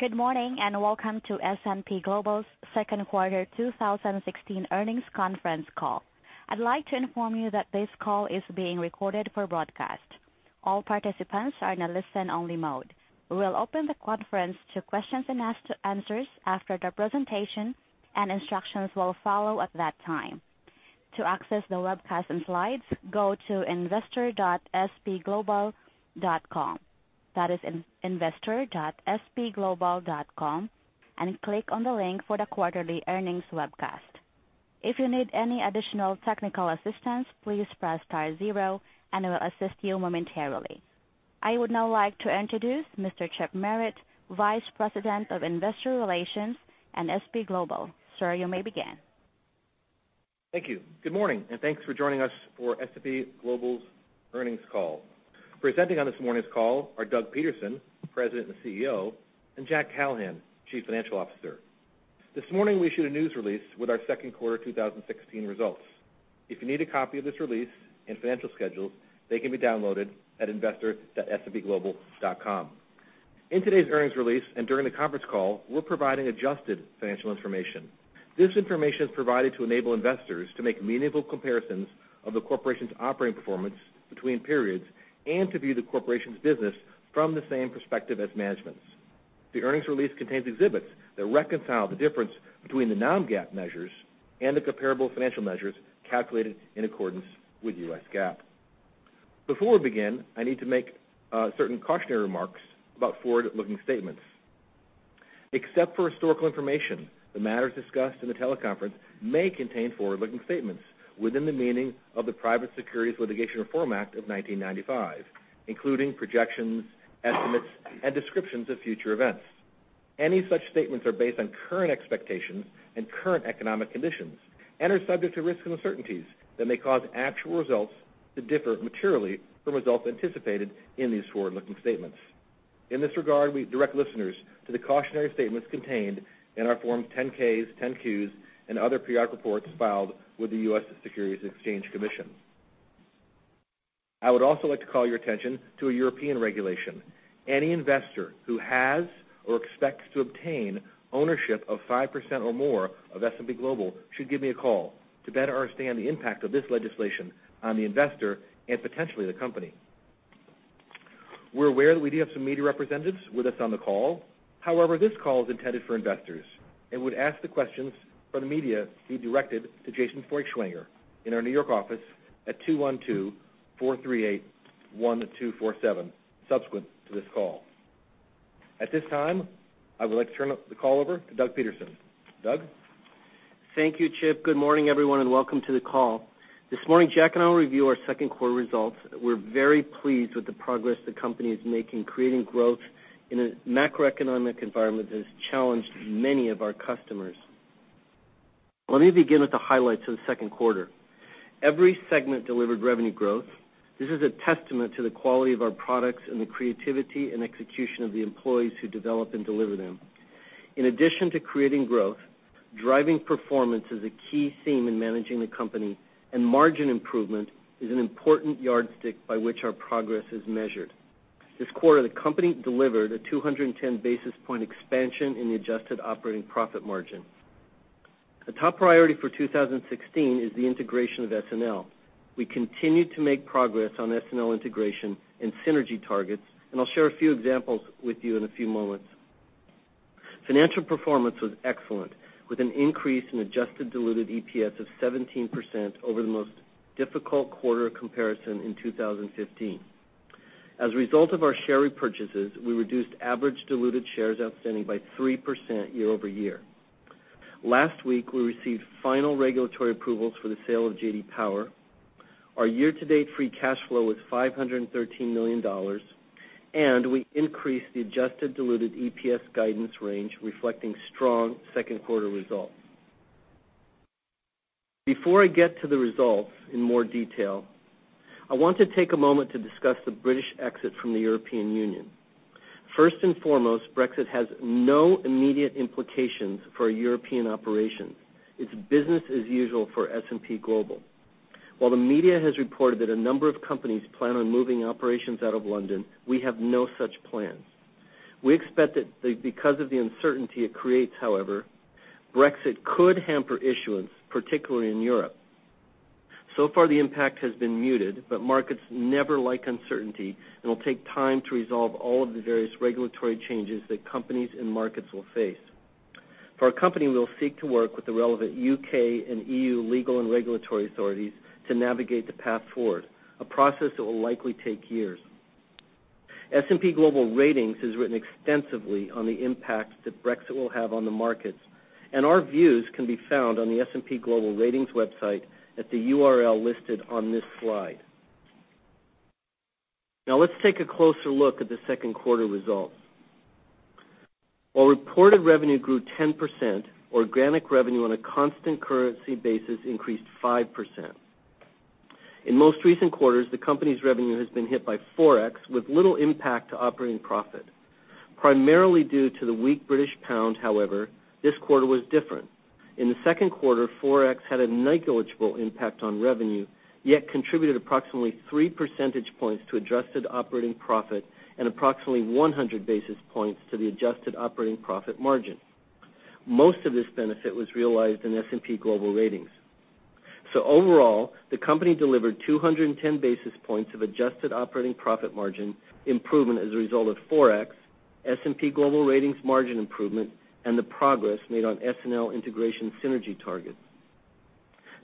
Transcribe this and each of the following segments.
Good morning, and welcome to S&P Global's second quarter 2016 earnings conference call. I'd like to inform you that this call is being recorded for broadcast. All participants are in a listen-only mode. We will open the conference to questions and answers after the presentation, and instructions will follow at that time. To access the webcast and slides, go to investor.spglobal.com. That is investor.spglobal.com, click on the link for the quarterly earnings webcast. If you need any additional technical assistance, please press star zero and we'll assist you momentarily. I would now like to introduce Mr. Chip Merritt, Vice President of Investor Relations at S&P Global. Sir, you may begin. Thank you. Good morning, thanks for joining us for S&P Global's earnings call. Presenting on this morning's call are Doug Peterson, President and Chief Executive Officer, and Jack Callahan, Chief Financial Officer. This morning, we issued a news release with our second quarter 2016 results. If you need a copy of this release and financial schedules, they can be downloaded at investor.spglobal.com. In today's earnings release and during the conference call, we're providing adjusted financial information. This information is provided to enable investors to make meaningful comparisons of the corporation's operating performance between periods and to view the corporation's business from the same perspective as management's. The earnings release contains exhibits that reconcile the difference between the non-GAAP measures and the comparable financial measures calculated in accordance with US GAAP. Before we begin, I need to make certain cautionary remarks about forward-looking statements. Except for historical information, the matters discussed in the teleconference may contain forward-looking statements within the meaning of the Private Securities Litigation Reform Act of 1995, including projections, estimates, and descriptions of future events. Any such statements are based on current expectations and current economic conditions and are subject to risks and uncertainties that may cause actual results to differ materially from results anticipated in these forward-looking statements. In this regard, we direct listeners to the cautionary statements contained in our Forms 10-Ks, 10-Qs, and other periodic reports filed with the U.S. Securities Exchange Commission. I would also like to call your attention to a European regulation. Any investor who has or expects to obtain ownership of 5% or more of S&P Global should give me a call to better understand the impact of this legislation on the investor and potentially the company. We're aware that we do have some media representatives with us on the call. However, this call is intended for investors would ask the questions from the media be directed to Jason Feuchtwanger in our New York office at 212-438-1247 subsequent to this call. At this time, I would like to turn the call over to Doug Peterson. Doug? Thank you, Chip. Good morning, everyone, and welcome to the call. This morning, Jack Callahan and I will review our second quarter results. We are very pleased with the progress the company is making creating growth in a macroeconomic environment that has challenged many of our customers. Let me begin with the highlights of the second quarter. Every segment delivered revenue growth. This is a testament to the quality of our products and the creativity and execution of the employees who develop and deliver them. In addition to creating growth, driving performance is a key theme in managing the company, and margin improvement is an important yardstick by which our progress is measured. This quarter, the company delivered a 210 basis point expansion in the adjusted operating profit margin. A top priority for 2016 is the integration of SNL. We continue to make progress on SNL integration and synergy targets, and I will share a few examples with you in a few moments. Financial performance was excellent, with an increase in adjusted diluted EPS of 17% over the most difficult quarter comparison in 2015. As a result of our share repurchases, we reduced average diluted shares outstanding by 3% year-over-year. Last week, we received final regulatory approvals for the sale of J.D. Power. Our year-to-date free cash flow was $513 million, and we increased the adjusted diluted EPS guidance range, reflecting strong second quarter results. Before I get to the results in more detail, I want to take a moment to discuss the British exit from the European Union. First and foremost, Brexit has no immediate implications for European operations. It is business as usual for S&P Global. While the media has reported that a number of companies plan on moving operations out of London, we have no such plans. We expect that because of the uncertainty it creates, however, Brexit could hamper issuance, particularly in Europe. So far, the impact has been muted, but markets never like uncertainty and will take time to resolve all of the various regulatory changes that companies and markets will face. For our company, we will seek to work with the relevant U.K. and EU legal and regulatory authorities to navigate the path forward, a process that will likely take years. S&P Global Ratings has written extensively on the impact that Brexit will have on the markets, and our views can be found on the S&P Global Ratings website at the URL listed on this slide. Let us take a closer look at the second quarter results. While reported revenue grew 10%, organic revenue on a constant currency basis increased 5%. In most recent quarters, the company's revenue has been hit by Forex with little impact to operating profit. Primarily due to the weak British pound, however, this quarter was different. In the second quarter, forex had a negligible impact on revenue, yet contributed approximately three percentage points to adjusted operating profit and approximately 100 basis points to the adjusted operating profit margin. Most of this benefit was realized in S&P Global Ratings. Overall, the company delivered 210 basis points of adjusted operating profit margin improvement as a result of forex, S&P Global Ratings margin improvement, and the progress made on SNL integration synergy targets.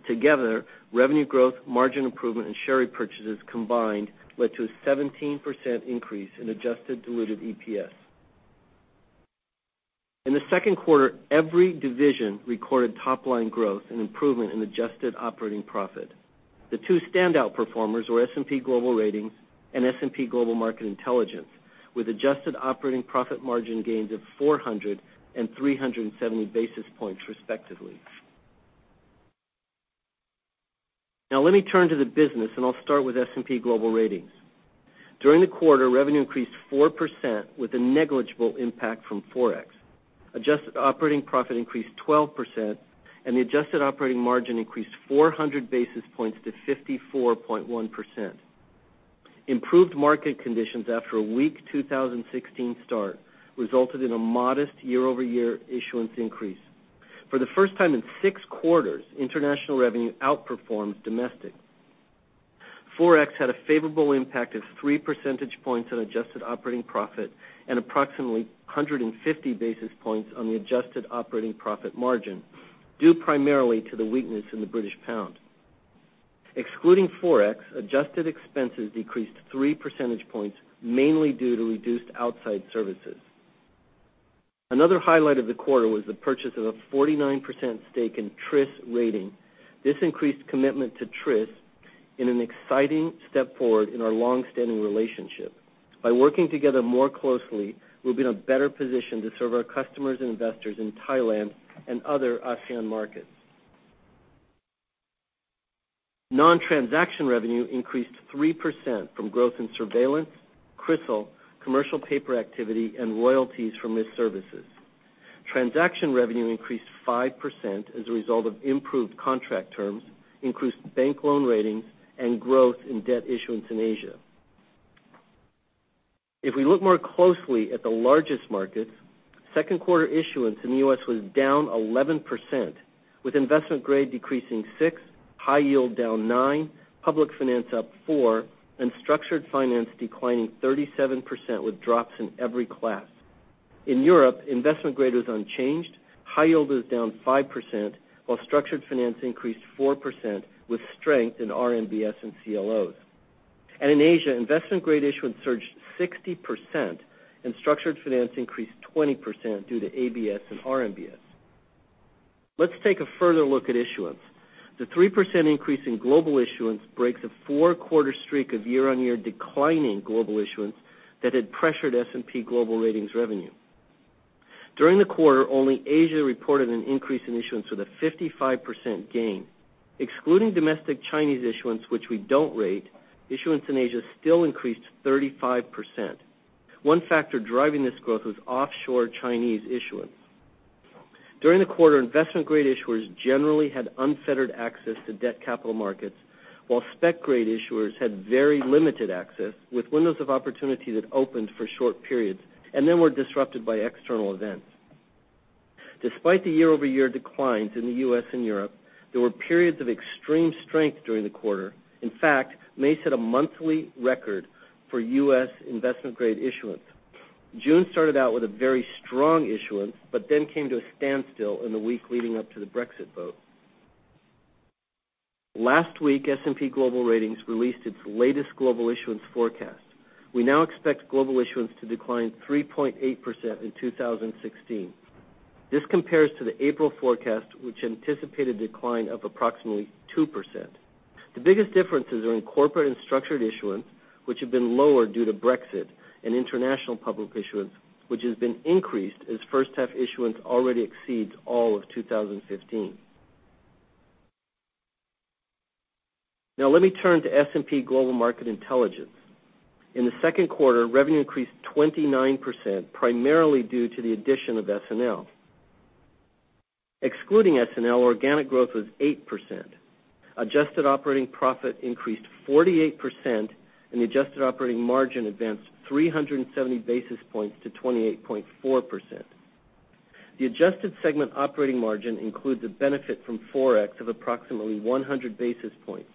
Together, revenue growth, margin improvement and share repurchases combined led to a 17% increase in adjusted diluted EPS. In the second quarter, every division recorded top-line growth and improvement in adjusted operating profit. The two standout performers were S&P Global Ratings and S&P Global Market Intelligence, with adjusted operating profit margin gains of 400 and 370 basis points respectively. Let me turn to the business, and I'll start with S&P Global Ratings. During the quarter, revenue increased 4% with a negligible impact from forex. Adjusted operating profit increased 12%, and the adjusted operating margin increased 400 basis points to 54.1%. Improved market conditions after a weak 2016 start resulted in a modest year-over-year issuance increase. For the first time in six quarters, international revenue outperformed domestic. Forex had a favorable impact of three percentage points on adjusted operating profit and approximately 150 basis points on the adjusted operating profit margin, due primarily to the weakness in the British pound. Excluding forex, adjusted expenses decreased three percentage points, mainly due to reduced outside services. Another highlight of the quarter was the purchase of a 49% stake in TRIS Rating. This increased commitment to TRIS in an exciting step forward in our long-standing relationship. By working together more closely, we'll be in a better position to serve our customers and investors in Thailand and other ASEAN markets. Non-transaction revenue increased 3% from growth in surveillance, CRISIL, commercial paper activity, and royalties from Risk Services. Transaction revenue increased 5% as a result of improved contract terms, increased bank loan ratings, and growth in debt issuance in Asia. If we look more closely at the largest markets, second quarter issuance in the U.S. was down 11%, with investment grade decreasing six, high yield down nine, public finance up four, and structured finance declining 37% with drops in every class. In Europe, investment grade was unchanged, high yield was down 5%, while structured finance increased 4% with strength in RMBS and CLOs. In Asia, investment grade issuance surged 60% and structured finance increased 20% due to ABS and RMBS. Let's take a further look at issuance. The 3% increase in global issuance breaks a four-quarter streak of year-on-year declining global issuance that had pressured S&P Global Ratings revenue. During the quarter, only Asia reported an increase in issuance with a 55% gain. Excluding domestic Chinese issuance, which we don't rate, issuance in Asia still increased 35%. One factor driving this growth was offshore Chinese issuance. During the quarter, investment grade issuers generally had unfettered access to debt capital markets, while spec grade issuers had very limited access, with windows of opportunity that opened for short periods and then were disrupted by external events. Despite the year-over-year declines in the U.S. and Europe, there were periods of extreme strength during the quarter. In fact, May set a monthly record for U.S. investment grade issuance. June started out with a very strong issuance, but then came to a standstill in the week leading up to the Brexit vote. Last week, S&P Global Ratings released its latest global issuance forecast. We now expect global issuance to decline 3.8% in 2016. This compares to the April forecast, which anticipated decline of approximately 2%. The biggest differences are in corporate and structured issuance, which have been lower due to Brexit, and international public issuance, which has been increased as first half issuance already exceeds all of 2015. Let me turn to S&P Global Market Intelligence. In the second quarter, revenue increased 29%, primarily due to the addition of SNL. Excluding SNL, organic growth was 8%. Adjusted operating profit increased 48%. The adjusted operating margin advanced 370 basis points to 28.4%. The adjusted segment operating margin includes a benefit from forex of approximately 100 basis points.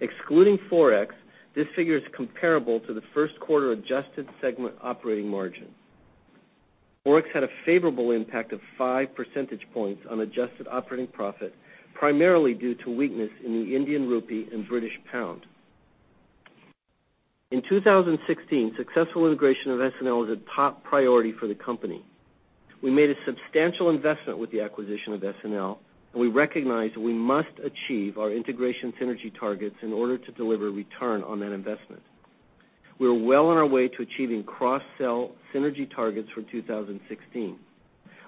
Excluding forex, this figure is comparable to the first quarter adjusted segment operating margin. Forex had a favorable impact of five percentage points on adjusted operating profit, primarily due to weakness in the Indian rupee and British pound. In 2016, successful integration of SNL is a top priority for the company. We made a substantial investment with the acquisition of SLN, and we recognize we must achieve our integration synergy targets in order to deliver return on that investment. We are well on our way to achieving cross-sell synergy targets for 2016.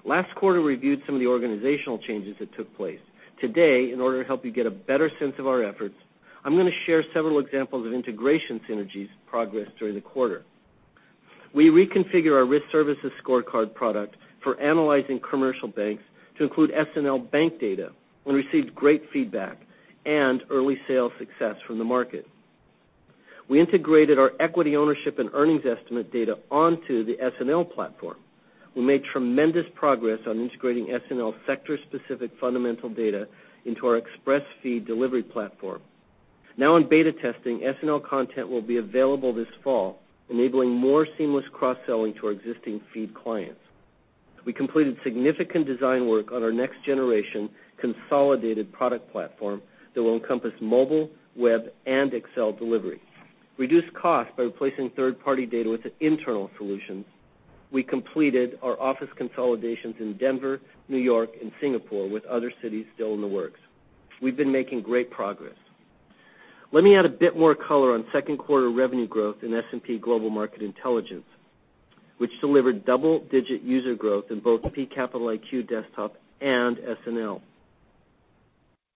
Last quarter, we reviewed some of the organizational changes that took place. Today, in order to help you get a better sense of our efforts, I'm going to share several examples of integration synergies progress during the quarter. We reconfigure our Risk Services scorecard product for analyzing commercial banks to include SNL bank data and received great feedback and early sales success from the market. We integrated our equity ownership and earnings estimate data onto the SNL platform. We made tremendous progress on integrating SNL sector-specific fundamental data into our Xpressfeed delivery platform. Now in beta testing, SNL content will be available this fall, enabling more seamless cross-selling to our existing feed clients. We completed significant design work on our next-generation consolidated product platform that will encompass mobile, web, and Excel delivery. We reduced cost by replacing third-party data with an internal solution. We completed our office consolidations in Denver, New York, and Singapore, with other cities still in the works. We've been making great progress. Let me add a bit more color on second quarter revenue growth in S&P Global Market Intelligence, which delivered double-digit user growth in both S&P Capital IQ Desktop and SNL.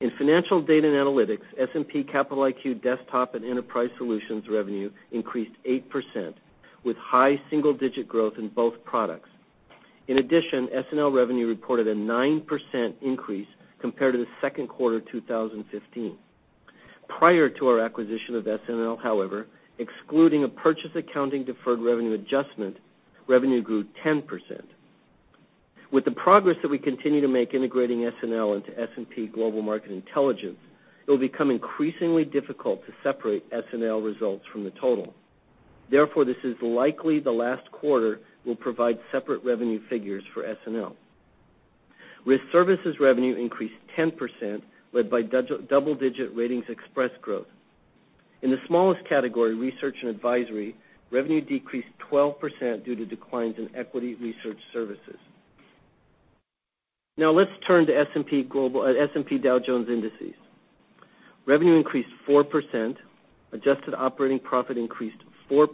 In financial data and analytics, S&P Capital IQ Desktop and Enterprise Solutions revenue increased 8%, with high single-digit growth in both products. SNL revenue reported a 9% increase compared to the second quarter of 2015. Prior to our acquisition of SNL, however, excluding a purchase accounting deferred revenue adjustment, revenue grew 10%. With the progress that we continue to make integrating SNL into S&P Global Market Intelligence, it will become increasingly difficult to separate SNL results from the total. This is likely the last quarter we'll provide separate revenue figures for SNL. Risk Services revenue increased 10%, led by double-digit RatingsXpress growth. In the smallest category, research and advisory, revenue decreased 12% due to declines in equity research services. Let's turn to S&P Dow Jones Indices. Revenue increased 4%, adjusted operating profit increased 4%,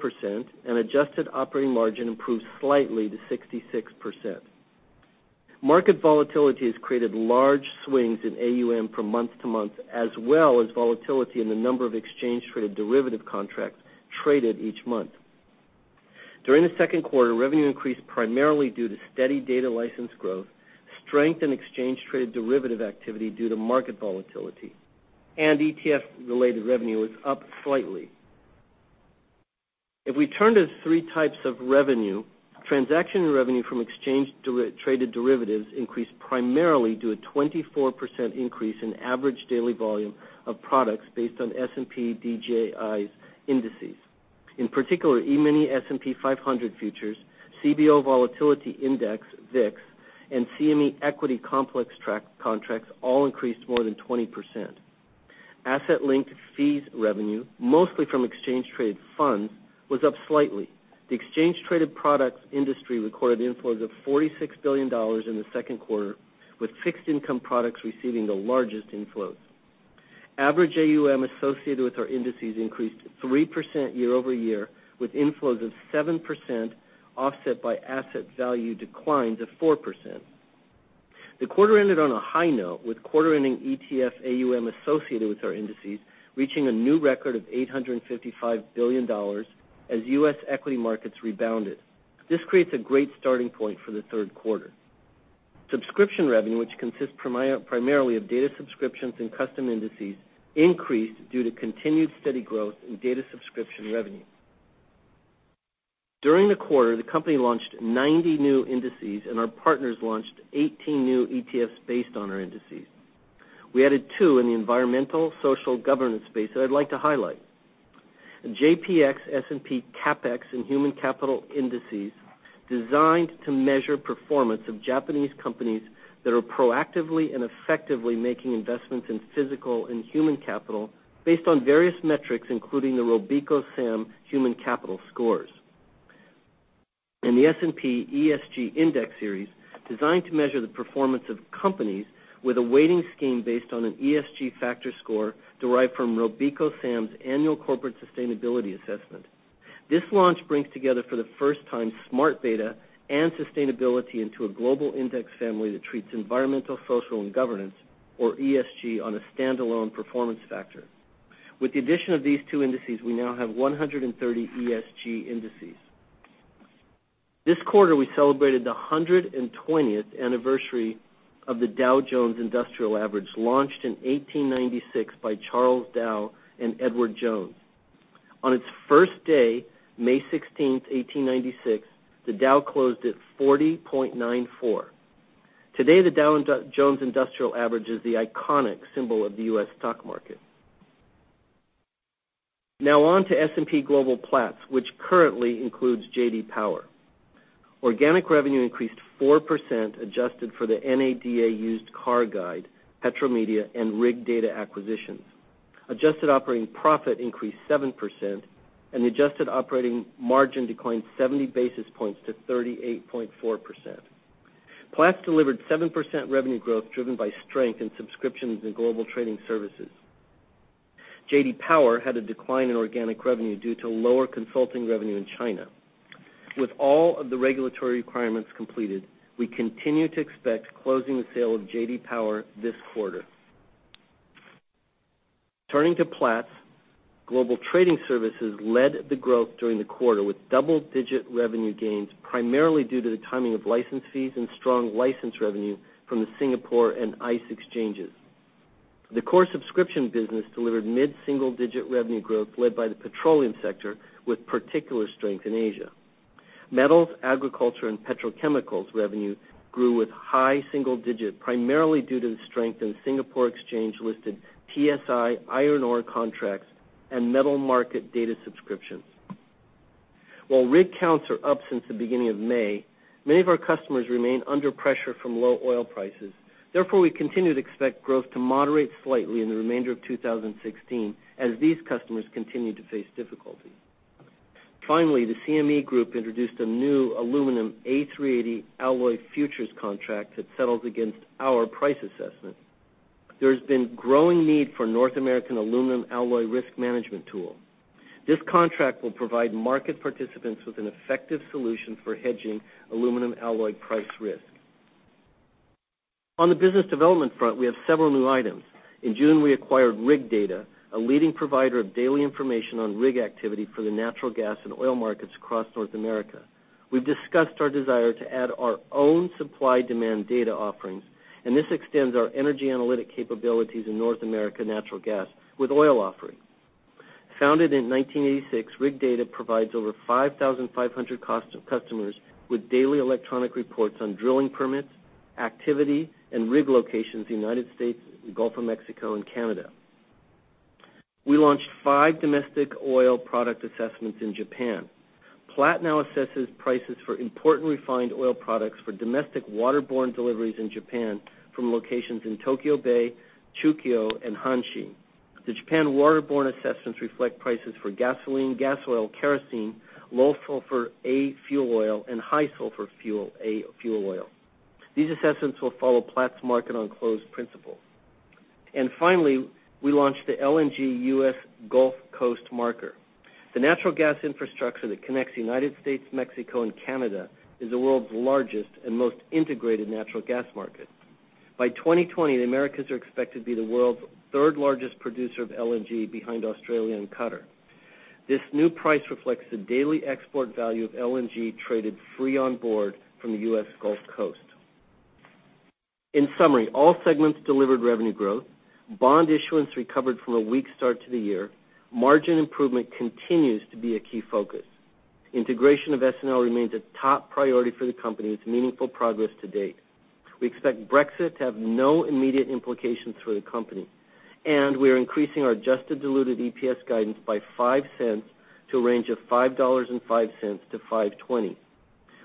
and adjusted operating margin improved slightly to 66%. Market volatility has created large swings in AUM from month to month, as well as volatility in the number of exchange traded derivative contracts traded each month. During the second quarter, revenue increased primarily due to steady data license growth, strength in exchange traded derivative activity due to market volatility, and ETF-related revenue was up slightly. If we turn to the 3 types of revenue, transaction revenue from exchange traded derivatives increased primarily due to a 24% increase in average daily volume of products based on S&P DJI's indices. In particular, E-mini S&P 500 futures, CBOE Volatility Index, VIX, and CME equity complex contracts all increased more than 20%. asset-linked fees revenue, mostly from exchange-traded funds, was up slightly. The exchange-traded products industry recorded inflows of $46 billion in the second quarter, with fixed income products receiving the largest inflows. Average AUM associated with our indices increased 3% year-over-year, with inflows of 7% offset by asset value declines of 4%. The quarter ended on a high note, with quarter-ending ETF AUM associated with our indices reaching a new record of $855 billion as U.S. equity markets rebounded. This creates a great starting point for the third quarter. Subscription revenue, which consists primarily of data subscriptions and custom indices, increased due to continued steady growth in data subscription revenue. During the quarter, the company launched 90 new indices, our partners launched 18 new ETFs based on our indices. We added two in the environmental social governance space that I'd like to highlight. The JPX/S&P CAPEX & Human Capital Indices, designed to measure performance of Japanese companies that are proactively and effectively making investments in physical and human capital based on various metrics, including the RobecoSAM human capital scores. The S&P ESG Index Series, designed to measure the performance of companies with a weighting scheme based on an ESG factor score derived from RobecoSAM's annual corporate sustainability assessment. This launch brings together, for the first time, smart beta and sustainability into a global index family that treats environmental, social, and governance, or ESG, as a stand-alone performance factor. With the addition of these two indices, we now have 130 ESG indices. This quarter, we celebrated the 120th anniversary of the Dow Jones Industrial Average, launched in 1896 by Charles Dow and Edward Jones. On its first day, May 16th, 1896, the Dow closed at 40.94. Today, the Dow Jones Industrial Average is the iconic symbol of the U.S. stock market. Now on to S&P Global Platts, which currently includes J.D. Power. Organic revenue increased 4%, adjusted for the NADA Used Car Guide, Petromedia, and RigData acquisitions. Adjusted operating profit increased 7%, adjusted operating margin declined 70 basis points to 38.4%. Platts delivered 7% revenue growth, driven by strength in subscriptions and Global Trading Services. J.D. Power had a decline in organic revenue due to lower consulting revenue in China. With all of the regulatory requirements completed, we continue to expect closing the sale of J.D. Power this quarter. Turning to Platts, Global Trading Services led the growth during the quarter, with double-digit revenue gains, primarily due to the timing of license fees and strong license revenue from the Singapore Exchange and ICE exchanges. The core subscription business delivered mid-single-digit revenue growth led by the petroleum sector, with particular strength in Asia. Metals, agriculture, and petrochemicals revenue grew at high single digits, primarily due to the strength in Singapore Exchange-listed TSI iron ore contracts and metal market data subscriptions. While rig counts are up since the beginning of May, many of our customers remain under pressure from low oil prices. Therefore, we continue to expect growth to moderate slightly in the remainder of 2016 as these customers continue to face difficulties. Finally, the CME Group introduced a new aluminum A380 Alloy futures contract that settles against our price assessment. There's been growing need for North American aluminum alloy risk management tool. This contract will provide market participants with an effective solution for hedging aluminum alloy price risk. On the business development front, we have several new items. In June, we acquired RigData, a leading provider of daily information on rig activity for the natural gas and oil markets across North America. We've discussed our desire to add our own supply-demand data offerings, and this extends our energy analytic capabilities in North America natural gas with oil offerings. Founded in 1986, RigData provides over 5,500 customers with daily electronic reports on drilling permits, activity, and rig locations in the U.S., the Gulf of Mexico, and Canada. We launched five domestic oil product assessments in Japan. Platts now assesses prices for important refined oil products for domestic waterborne deliveries in Japan from locations in Tokyo Bay, Chūkyō, and Hanshin. The Japan waterborne assessments reflect prices for gasoline, gas oil, kerosene, low sulfur A fuel oil, and high sulfur A fuel oil. These assessments will follow Platts Market on Close principles. And finally, we launched the LNG U.S. Gulf Coast marker. The natural gas infrastructure that connects the U.S., Mexico, and Canada is the world's largest and most integrated natural gas market. By 2020, the Americas are expected to be the world's third-largest producer of LNG behind Australia and Qatar. This new price reflects the daily export value of LNG traded free on board from the U.S. Gulf Coast. In summary, all segments delivered revenue growth. Bond issuance recovered from a weak start to the year. Margin improvement continues to be a key focus. Integration of SNL remains a top priority for the company. It's meaningful progress to date. We expect Brexit to have no immediate implications for the company, and we are increasing our adjusted diluted EPS guidance by $0.05 to a range of $5.05 to $5.20.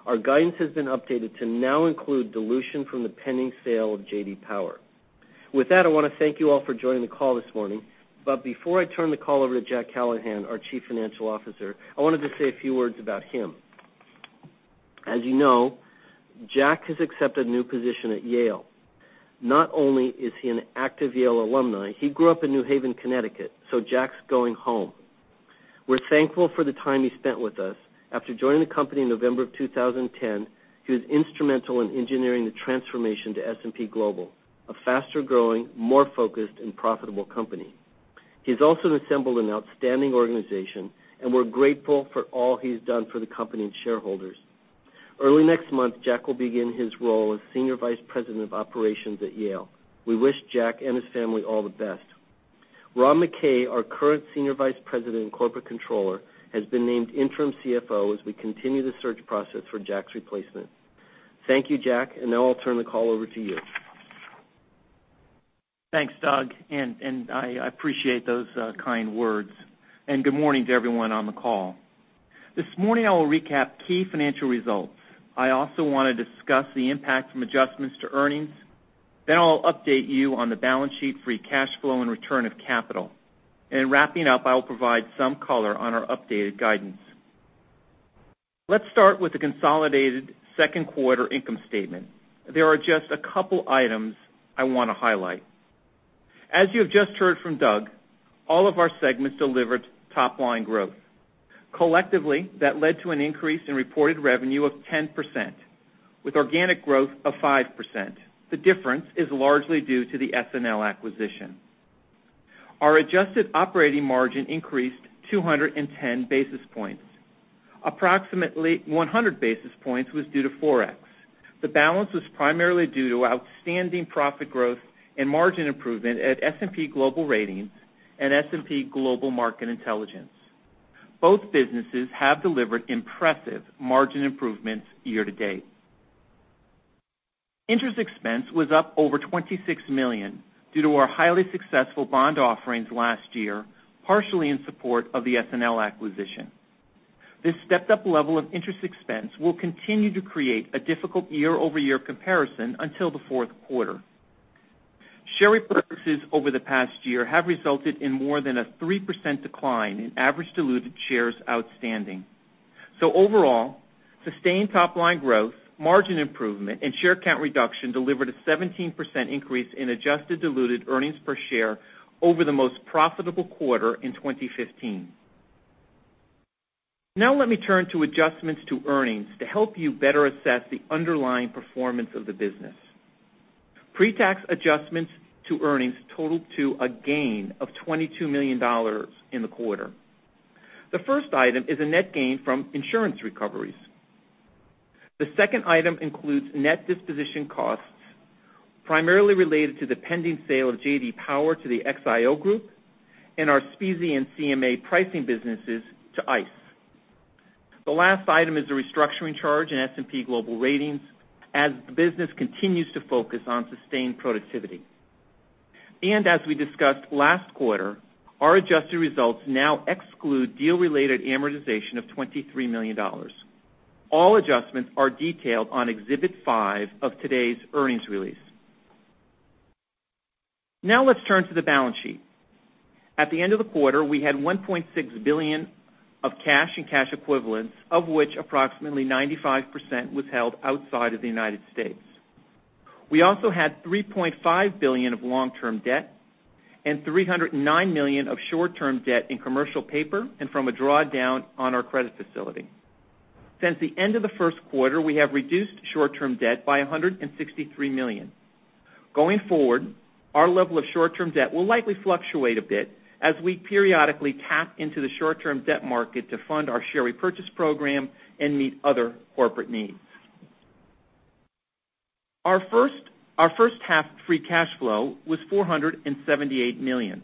Our guidance has been updated to now include dilution from the pending sale of J.D. Power. With that, I want to thank you all for joining the call this morning. Before I turn the call over to Jack Callahan, our Chief Financial Officer, I wanted to say a few words about him. As you know, Jack has accepted a new position at Yale. Not only is he an active Yale alumni, he grew up in New Haven, Connecticut, so Jack's going home. We're thankful for the time he spent with us. After joining the company in November of 2010, he was instrumental in engineering the transformation to S&P Global, a faster-growing, more focused, and profitable company. He's also assembled an outstanding organization, and we're grateful for all he's done for the company and shareholders. Early next month, Jack will begin his role as Senior Vice President of Operations at Yale. We wish Jack and his family all the best. Rob MacKay, our current Senior Vice President and Corporate Controller, has been named Interim CFO as we continue the search process for Jack's replacement. Thank you, Jack, and now I'll turn the call over to you. Thanks, Doug, and I appreciate those kind words. Good morning to everyone on the call. This morning, I will recap key financial results. I also want to discuss the impact from adjustments to earnings. I'll update you on the balance sheet, free cash flow, and return of capital. Wrapping up, I will provide some color on our updated guidance. Let's start with the consolidated second quarter income statement. There are just a couple items I want to highlight. As you have just heard from Doug, all of our segments delivered top-line growth. Collectively, that led to an increase in reported revenue of 10%, with organic growth of 5%. The difference is largely due to the SNL acquisition. Our adjusted operating margin increased 210 basis points. Approximately 100 basis points was due to Forex. The balance was primarily due to outstanding profit growth and margin improvement at S&P Global Ratings and S&P Global Market Intelligence. Both businesses have delivered impressive margin improvements year to date. Interest expense was up over $26 million due to our highly successful bond offerings last year, partially in support of the SNL acquisition. This stepped-up level of interest expense will continue to create a difficult year-over-year comparison until the fourth quarter. Share repurchases over the past year have resulted in more than a 3% decline in average diluted shares outstanding. Overall, sustained top-line growth, margin improvement, and share count reduction delivered a 17% increase in adjusted diluted earnings per share over the most profitable quarter in 2015. Now let me turn to adjustments to earnings to help you better assess the underlying performance of the business. Pre-tax adjustments to earnings totaled to a gain of $22 million in the quarter. The first item is a net gain from insurance recoveries. The second item includes net disposition costs, primarily related to the pending sale of J.D. Power to the XIO Group and our SPSE and CMA pricing businesses to ICE. The last item is a restructuring charge in S&P Global Ratings as the business continues to focus on sustained productivity. As we discussed last quarter, our adjusted results now exclude deal-related amortization of $23 million. All adjustments are detailed on Exhibit 5 of today's earnings release. Now let's turn to the balance sheet. At the end of the quarter, we had $1.6 billion of cash and cash equivalents, of which approximately 95% was held outside of the United States. We also had $3.5 billion of long-term debt and $309 million of short-term debt in commercial paper and from a drawdown on our credit facility. Since the end of the first quarter, we have reduced short-term debt by $163 million. Going forward, our level of short-term debt will likely fluctuate a bit as we periodically tap into the short-term debt market to fund our share repurchase program and meet other corporate needs. Our first half free cash flow was $478 million.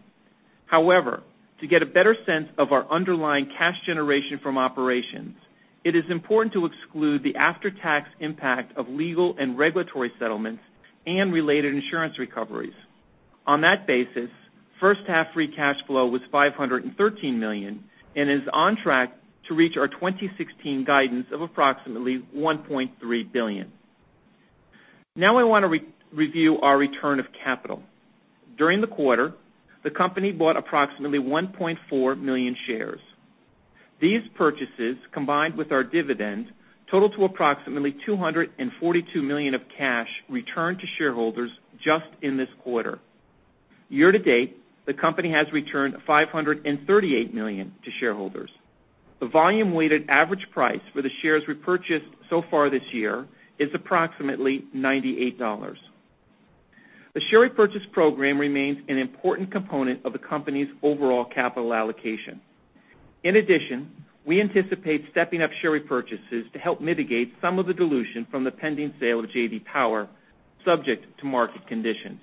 However, to get a better sense of our underlying cash generation from operations, it is important to exclude the after-tax impact of legal and regulatory settlements and related insurance recoveries. On that basis, first half free cash flow was $513 million and is on track to reach our 2016 guidance of approximately $1.3 billion. Now I want to review our return of capital. During the quarter, the company bought approximately 1.4 million shares. These purchases, combined with our dividend, total to approximately $242 million of cash returned to shareholders just in this quarter. Year-to-date, the company has returned $538 million to shareholders. The volume-weighted average price for the shares repurchased so far this year is approximately $98. The share repurchase program remains an important component of the company's overall capital allocation. In addition, we anticipate stepping up share repurchases to help mitigate some of the dilution from the pending sale of J.D. Power, subject to market conditions.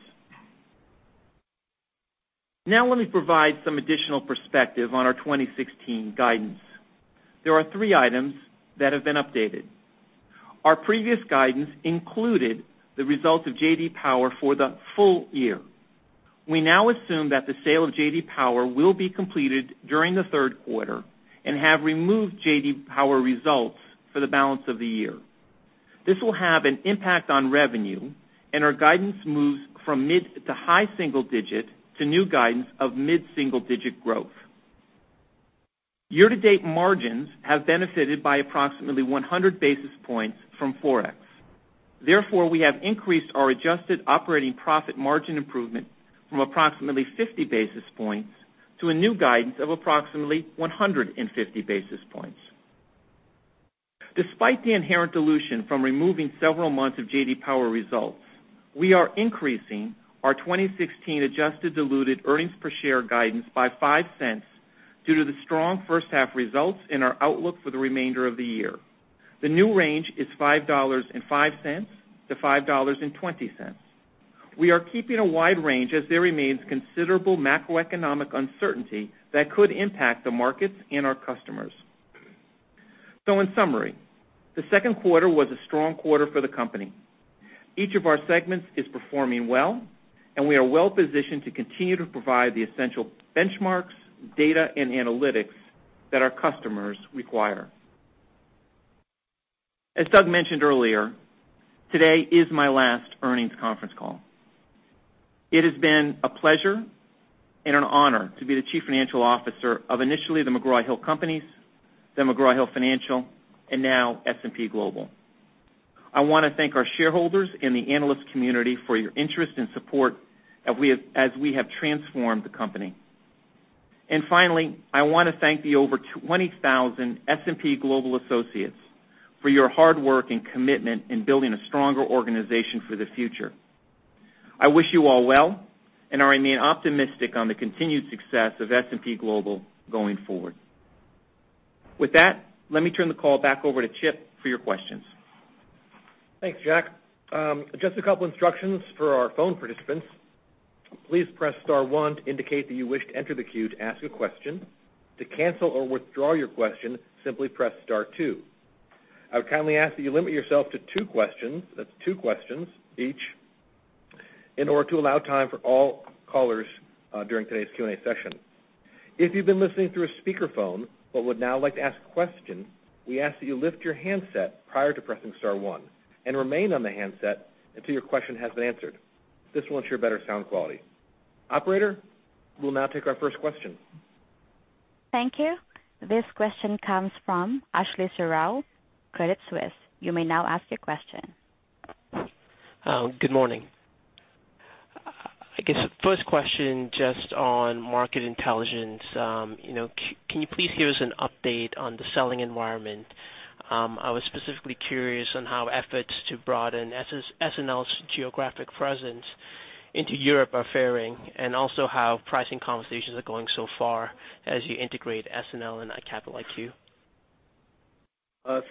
Let me provide some additional perspective on our 2016 guidance. There are three items that have been updated. Our previous guidance included the results of J.D. Power for the full year. We now assume that the sale of J.D. Power will be completed during the third quarter and have removed J.D. Power results for the balance of the year. This will have an impact on revenue, and our guidance moves from mid to high single digit to new guidance of mid-single-digit growth. Year-to-date margins have benefited by approximately 100 basis points from Forex. Therefore, we have increased our adjusted operating profit margin improvement from approximately 50 basis points to a new guidance of approximately 150 basis points. Despite the inherent dilution from removing several months of J.D. Power results, we are increasing our 2016 adjusted diluted earnings per share guidance by $0.05 due to the strong first half results and our outlook for the remainder of the year. The new range is $5.05-$5.20. We are keeping a wide range as there remains considerable macroeconomic uncertainty that could impact the markets and our customers. In summary, the second quarter was a strong quarter for the company. Each of our segments is performing well, and we are well-positioned to continue to provide the essential benchmarks, data, and analytics that our customers require. As Doug mentioned earlier, today is my last earnings conference call. It has been a pleasure and an honor to be the Chief Financial Officer of initially the McGraw-Hill Companies, then McGraw Hill Financial, and now S&P Global. I want to thank our shareholders and the analyst community for your interest and support as we have transformed the company. Finally, I want to thank the over 20,000 S&P Global associates for your hard work and commitment in building a stronger organization for the future. I wish you all well and I remain optimistic on the continued success of S&P Global going forward. Let me turn the call back over to Chip for your questions. Thanks, Jack. Just a couple instructions for our phone participants. Please press star one to indicate that you wish to enter the queue to ask a question. To cancel or withdraw your question, simply press star two. I would kindly ask that you limit yourself to two questions, that's two questions each, in order to allow time for all callers during today's Q&A session. If you've been listening through a speakerphone but would now like to ask a question, we ask that you lift your handset prior to pressing star one and remain on the handset until your question has been answered. This will ensure better sound quality. Operator, we will now take our first question. Thank you. This question comes from Ashley Serrao, Credit Suisse. You may now ask your question. Good morning. I guess first question just on market intelligence. Can you please give us an update on the selling environment? I was specifically curious on how efforts to broaden SNL's geographic presence into Europe are faring, and also how pricing conversations are going so far as you integrate SNL and Capital IQ.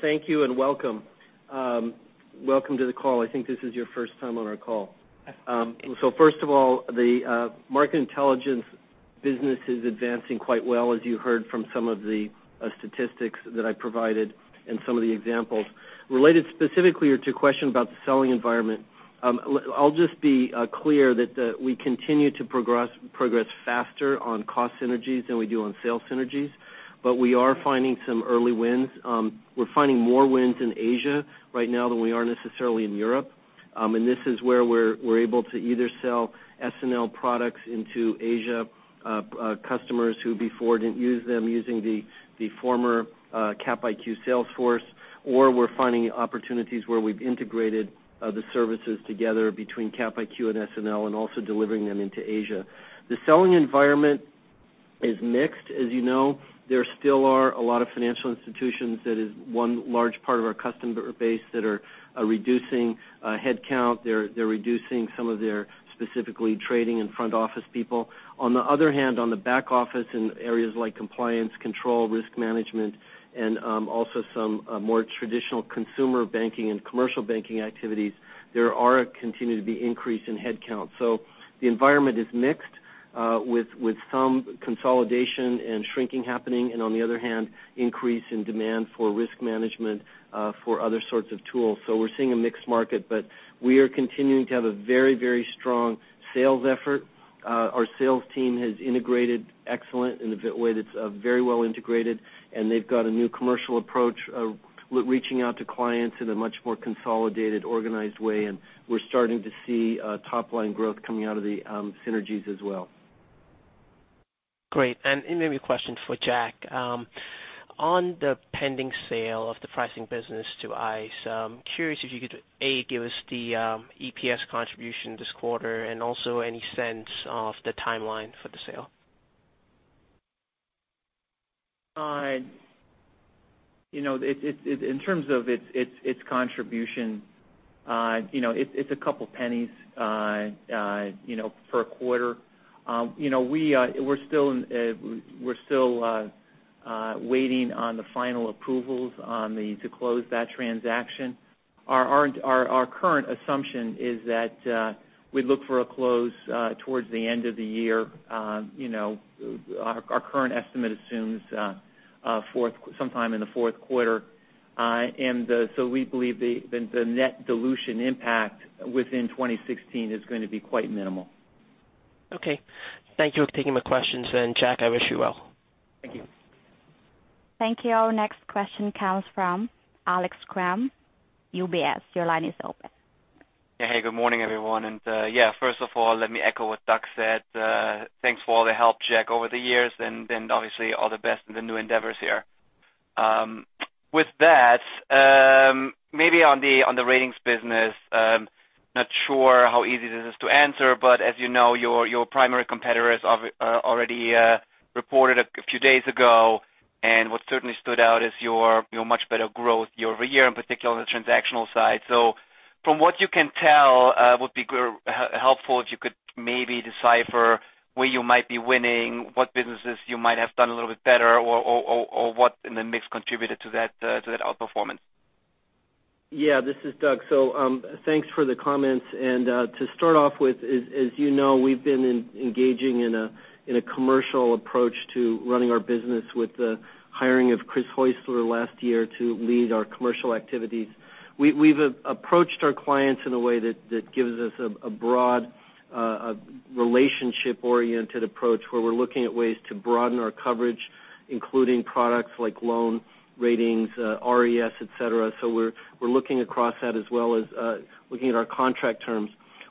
Thank you and welcome. Welcome to the call. I think this is your first time on our call. Yes. First of all, the Market Intelligence business is advancing quite well, as you heard from some of the statistics that I provided and some of the examples. Related specifically to your question about the selling environment, I'll just be clear that we continue to progress faster on cost synergies than we do on sales synergies. We are finding some early wins. We're finding more wins in Asia right now than we are necessarily in Europe. This is where we're able to either sell SNL products into Asia, customers who before didn't use them using the former Cap IQ sales force, or we're finding opportunities where we've integrated the services together between Cap IQ and SNL and also delivering them into Asia. The selling environment is mixed. As you know, there still are a lot of financial institutions that is one large part of our customer base that are reducing headcount. They're reducing some of their specifically trading and front office people. On the other hand, on the back office in areas like compliance, control, risk management, and also some more traditional consumer banking and commercial banking activities, there are continuing to be increase in headcount. The environment is mixed, with some consolidation and shrinking happening, and on the other hand, increase in demand for risk management, for other sorts of tools. We're seeing a mixed market, but we are continuing to have a very strong sales effort. Our sales team has integrated excellent in a way that's very well integrated, and they've got a new commercial approach of reaching out to clients in a much more consolidated, organized way. We're starting to see top-line growth coming out of the synergies as well. Great. Maybe a question for Jack. On the pending sale of the pricing business to ICE, curious if you could, A, give us the EPS contribution this quarter and also any sense of the timeline for the sale. In terms of its contribution, it's $0.02 per quarter. We're still waiting on the final approvals to close that transaction. Our current assumption is that we look for a close towards the end of the year. Our current estimate assumes sometime in the fourth quarter. We believe the net dilution impact within 2016 is going to be quite minimal. Okay. Thank you for taking my questions. Jack, I wish you well. Thank you. Thank you. Our next question comes from Alex Kramm, UBS. Your line is open. Hey, good morning, everyone. First of all, let me echo what Doug said. Thanks for all the help, Jack, over the years. Obviously all the best in the new endeavors here. With that, maybe on the ratings business, not sure how easy this is to answer. As you know, your primary competitors already reported a few days ago, and what certainly stood out is your much better growth year-over-year, in particular on the transactional side. From what you can tell, would be helpful if you could maybe decipher where you might be winning, what businesses you might have done a little bit better or what in the mix contributed to that outperformance. This is Doug. Thanks for the comments. To start off with, as you know, we've been engaging in a commercial approach to running our business with the hiring of Chris Heusler last year to lead our commercial activities. We've approached our clients in a way that gives us a broad relationship-oriented approach where we're looking at ways to broaden our coverage, including products like loan ratings, RES, et cetera. We're looking across that as well as looking at our contract terms.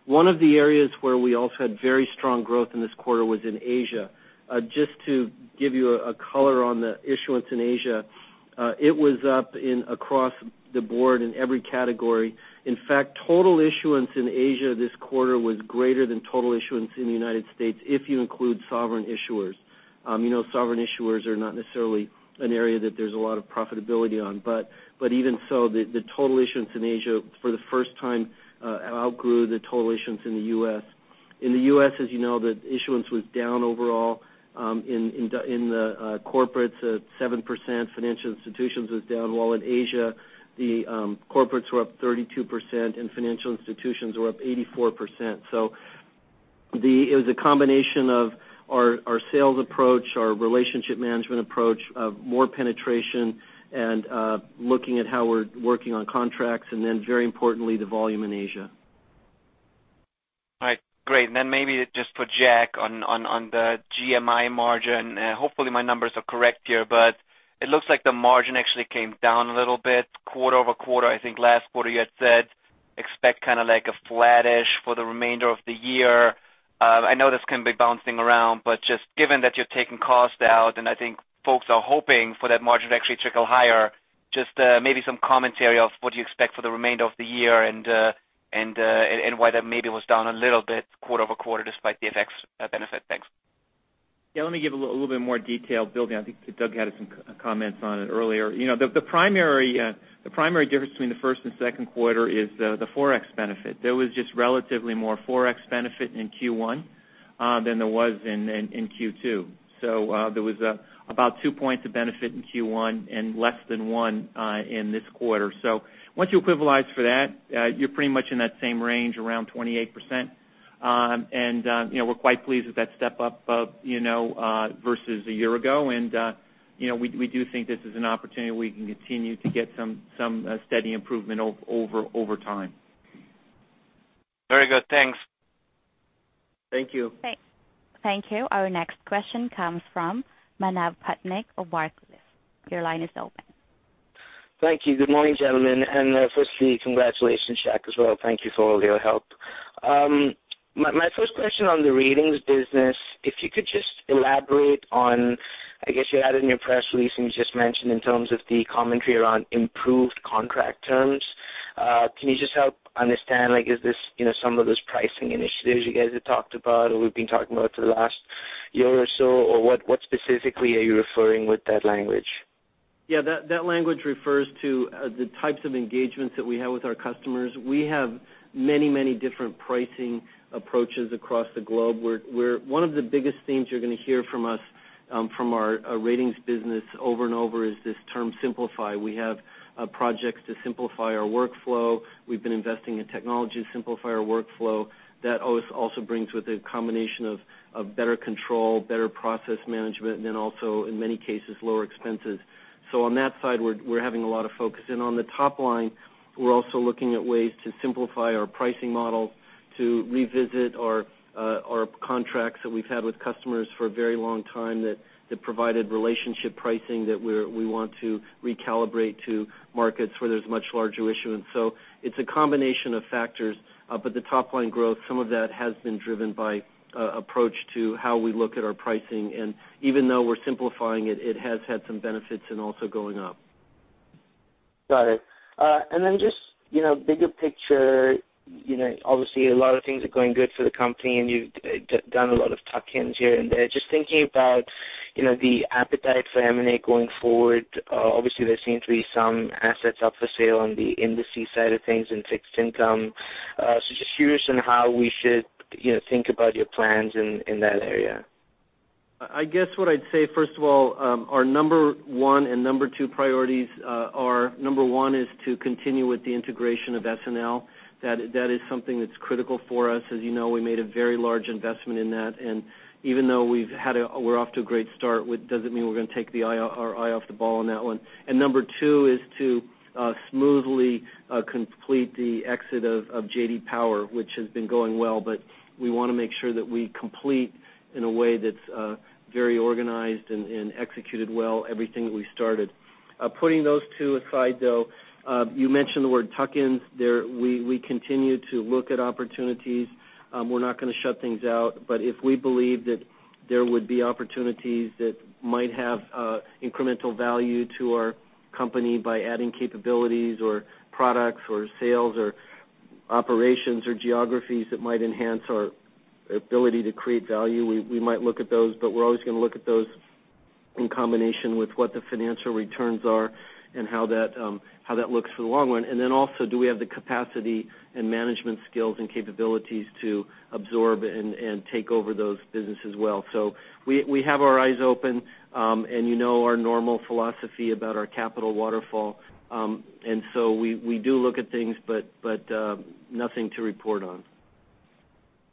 One of the areas where we also had very strong growth in this quarter was in Asia. Just to give you a color on the issuance in Asia, it was up across the board in every category. In fact, total issuance in Asia this quarter was greater than total issuance in the U.S. if you include sovereign issuers. Sovereign issuers are not necessarily an area that there's a lot of profitability on. Even so, the total issuance in Asia for the first time outgrew the total issuance in the U.S. In the U.S., as you know, the issuance was down overall in the corporates at 7%, financial institutions was down, while in Asia, the corporates were up 32% and financial institutions were up 84%. It was a combination of our sales approach, our relationship management approach, more penetration and looking at how we're working on contracts, and very importantly, the volume in Asia. All right. Great. Maybe just for Jack on the GMI margin. Hopefully, my numbers are correct here, but it looks like the margin actually came down a little bit quarter-over-quarter. I think last quarter you had said expect kind of like a flattish for the remainder of the year. I know this can be bouncing around, but just given that you're taking cost out, and I think folks are hoping for that margin to actually trickle higher. Just maybe some commentary of what you expect for the remainder of the year and why that maybe was down a little bit quarter-over-quarter, despite the effects benefit. Thanks. Yeah, let me give a little bit more detail building. I think Doug had some comments on it earlier. The primary difference between the first and second quarter is the Forex benefit. There was just relatively more Forex benefit in Q1 than there was in Q2. There was about two points of benefit in Q1 and less than one in this quarter. Once you equivalize for that, you're pretty much in that same range around 28%. We're quite pleased with that step up versus a year ago. We do think this is an opportunity where we can continue to get some steady improvement over time. Very good. Thanks. Thank you. Thank you. Our next question comes from Manav Patnaik of Barclays. Your line is open. Thank you. Good morning, gentlemen. Firstly, congratulations, Jack, as well. Thank you for all your help. My first question on the Ratings business, if you could just elaborate on, I guess you had it in your press release, you just mentioned in terms of the commentary around improved contract terms. Can you just help understand, is this some of those pricing initiatives you guys had talked about or we've been talking about for the last year or so, or what specifically are you referring with that language? Yeah, that language refers to the types of engagements that we have with our customers. We have many different pricing approaches across the globe, where one of the biggest themes you're going to hear from us, from our Ratings business over and over is this term simplify. We have projects to simplify our workflow. We've been investing in technology to simplify our workflow. That also brings with a combination of better control, better process management, then also, in many cases, lower expenses. On that side, we're having a lot of focus. On the top line, we're also looking at ways to simplify our pricing model, to revisit our contracts that we've had with customers for a very long time that provided relationship pricing that we want to recalibrate to markets where there's much larger issuance. It's a combination of factors. The top-line growth, some of that has been driven by approach to how we look at our pricing. Even though we're simplifying it has had some benefits and also going up. Got it. Then just bigger picture, obviously, a lot of things are going good for the company, you've done a lot of tuck-ins here and there. Just thinking about the appetite for M&A going forward. Obviously, there seems to be some assets up for sale on the Indices side of things in fixed income. Just curious on how we should think about your plans in that area. I guess what I'd say, first of all, our number one and number two priorities are, number one is to continue with the integration of SNL. That is something that's critical for us. As you know, we made a very large investment in that, and even though we're off to a great start, doesn't mean we're going to take our eye off the ball on that one. Number two is to smoothly complete the exit of J.D. Power, which has been going well, but we want to make sure that we complete in a way that's very organized and executed well, everything that we started. Putting those two aside, though you mentioned the word tuck-ins. We continue to look at opportunities. We're not going to shut things out. If we believe that there would be opportunities that might have incremental value to our company by adding capabilities or products or sales or operations or geographies that might enhance our ability to create value, we might look at those. We're always going to look at those in combination with what the financial returns are and how that looks for the long run. Then also, do we have the capacity and management skills and capabilities to absorb and take over those businesses as well? We have our eyes open, and you know our normal philosophy about our capital waterfall. We do look at things, but nothing to report on.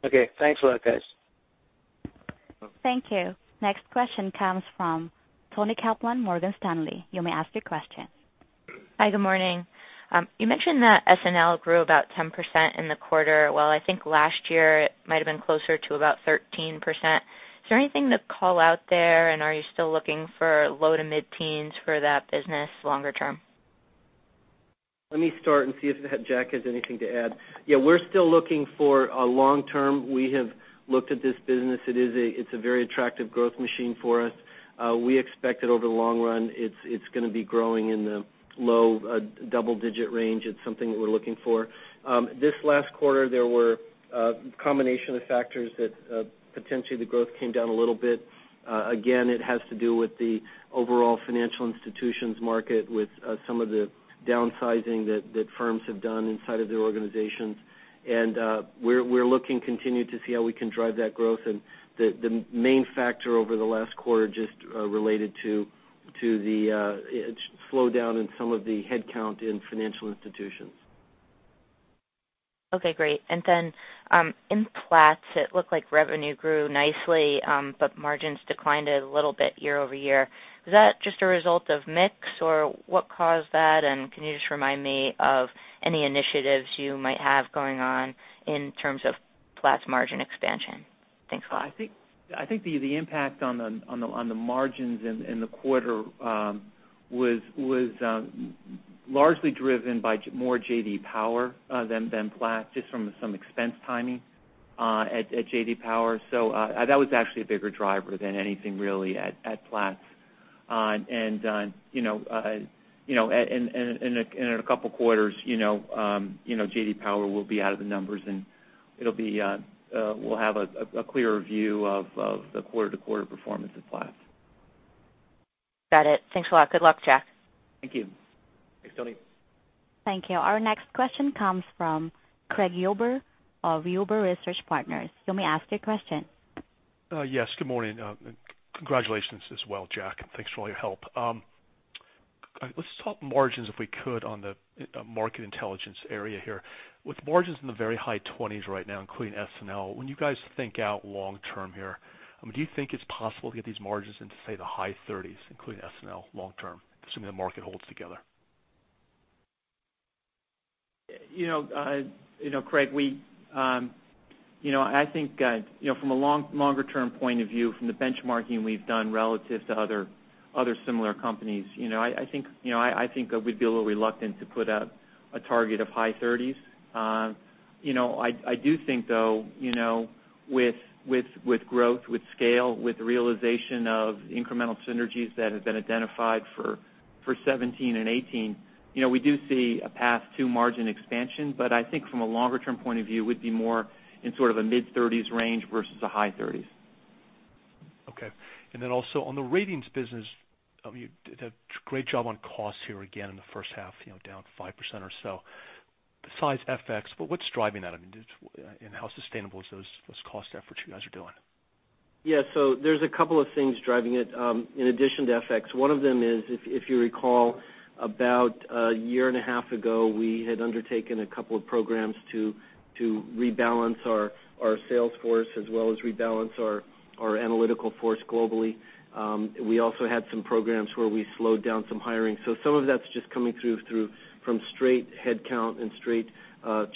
Okay. Thanks a lot, guys. Thank you. Next question comes from Toni Kaplan, Morgan Stanley. You may ask your question. Hi, good morning. You mentioned that SNL grew about 10% in the quarter, while I think last year it might have been closer to about 13%. Is there anything to call out there, and are you still looking for low to mid-teens for that business longer term? Let me start and see if Jack has anything to add. We're still looking for a long term. We have looked at this business. It's a very attractive growth machine for us. We expect it over the long run, it's going to be growing in the low double-digit range. It's something that we're looking for. This last quarter, there were a combination of factors that potentially the growth came down a little bit. Again, it has to do with the overall financial institutions market, with some of the downsizing that firms have done inside of their organizations. We're looking continue to see how we can drive that growth. The main factor over the last quarter just related to the slowdown in some of the headcount in financial institutions. Okay, great. Then in Platts, it looked like revenue grew nicely, but margins declined a little bit year-over-year. Was that just a result of mix, or what caused that? Can you just remind me of any initiatives you might have going on in terms of Platts margin expansion? Thanks a lot. I think the impact on the margins in the quarter was largely driven by more J.D. Power than Platts, just from some expense timing at J.D. Power. That was actually a bigger driver than anything really at Platts. In a couple of quarters, J.D. Power will be out of the numbers, and we'll have a clearer view of the quarter-to-quarter performance at Platts. Got it. Thanks a lot. Good luck, Jack. Thank you. Thanks, Toni. Thank you. Our next question comes from Craig Huber of Huber Research Partners. You may ask your question. Yes. Good morning. Congratulations as well, Jack. Thanks for all your help. Let's talk margins, if we could, on the market intelligence area here. With margins in the very high 20s right now, including SNL. When you guys think out long term here, do you think it's possible to get these margins into, say, the high 30s, including SNL long term, assuming the market holds together? Craig, I think from a longer-term point of view, from the benchmarking we've done relative to other similar companies, I think we'd be a little reluctant to put a target of high 30s. I do think, though, with growth, with scale, with realization of incremental synergies that have been identified for 2017 and 2018. We do see a path to margin expansion, but I think from a longer-term point of view, we'd be more in sort of a mid-30s range versus a high 30s. Okay. Also on the ratings business, you did a great job on costs here again in the first half, down 5% or so. Besides FX, what's driving that? How sustainable is those cost efforts you guys are doing? Yeah. There's a couple of things driving it. In addition to FX, one of them is, if you recall, about a year and a half ago, we had undertaken a couple of programs to rebalance our sales force as well as rebalance our analytical force globally. We also had some programs where we slowed down some hiring. Some of that's just coming through from straight headcount and straight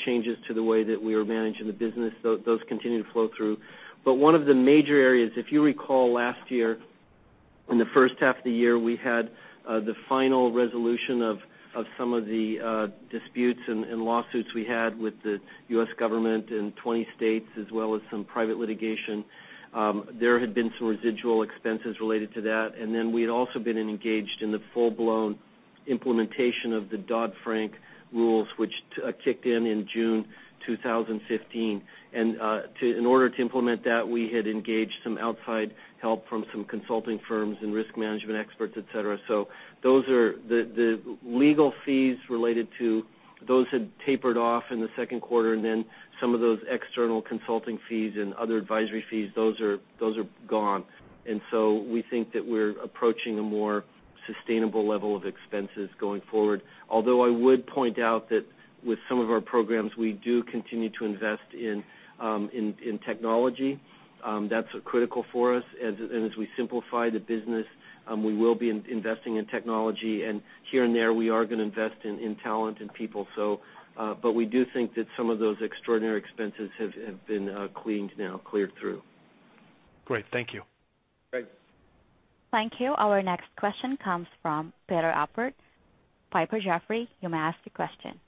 changes to the way that we are managing the business. Those continue to flow through. One of the major areas, if you recall last year in the first half of the year, we had the final resolution of some of the disputes and lawsuits we had with the U.S. government in 20 states, as well as some private litigation. There had been some residual expenses related to that, then we'd also been engaged in the full-blown implementation of the Dodd-Frank rules, which kicked in in June 2015. In order to implement that, we had engaged some outside help from some consulting firms and risk management experts, et cetera. Those are the legal fees related to those had tapered off in the second quarter, and then some of those external consulting fees and other advisory fees, those are gone. We think that we're approaching a more sustainable level of expenses going forward. Although I would point out that with some of our programs, we do continue to invest in technology. That's critical for us. As we simplify the business, we will be investing in technology. Here and there, we are going to invest in talent and people. We do think that some of those extraordinary expenses have been cleaned now, cleared through. Great. Thank you. Great. Thank you. Our next question comes from Peter Appert, Piper Jaffray. You may ask your question.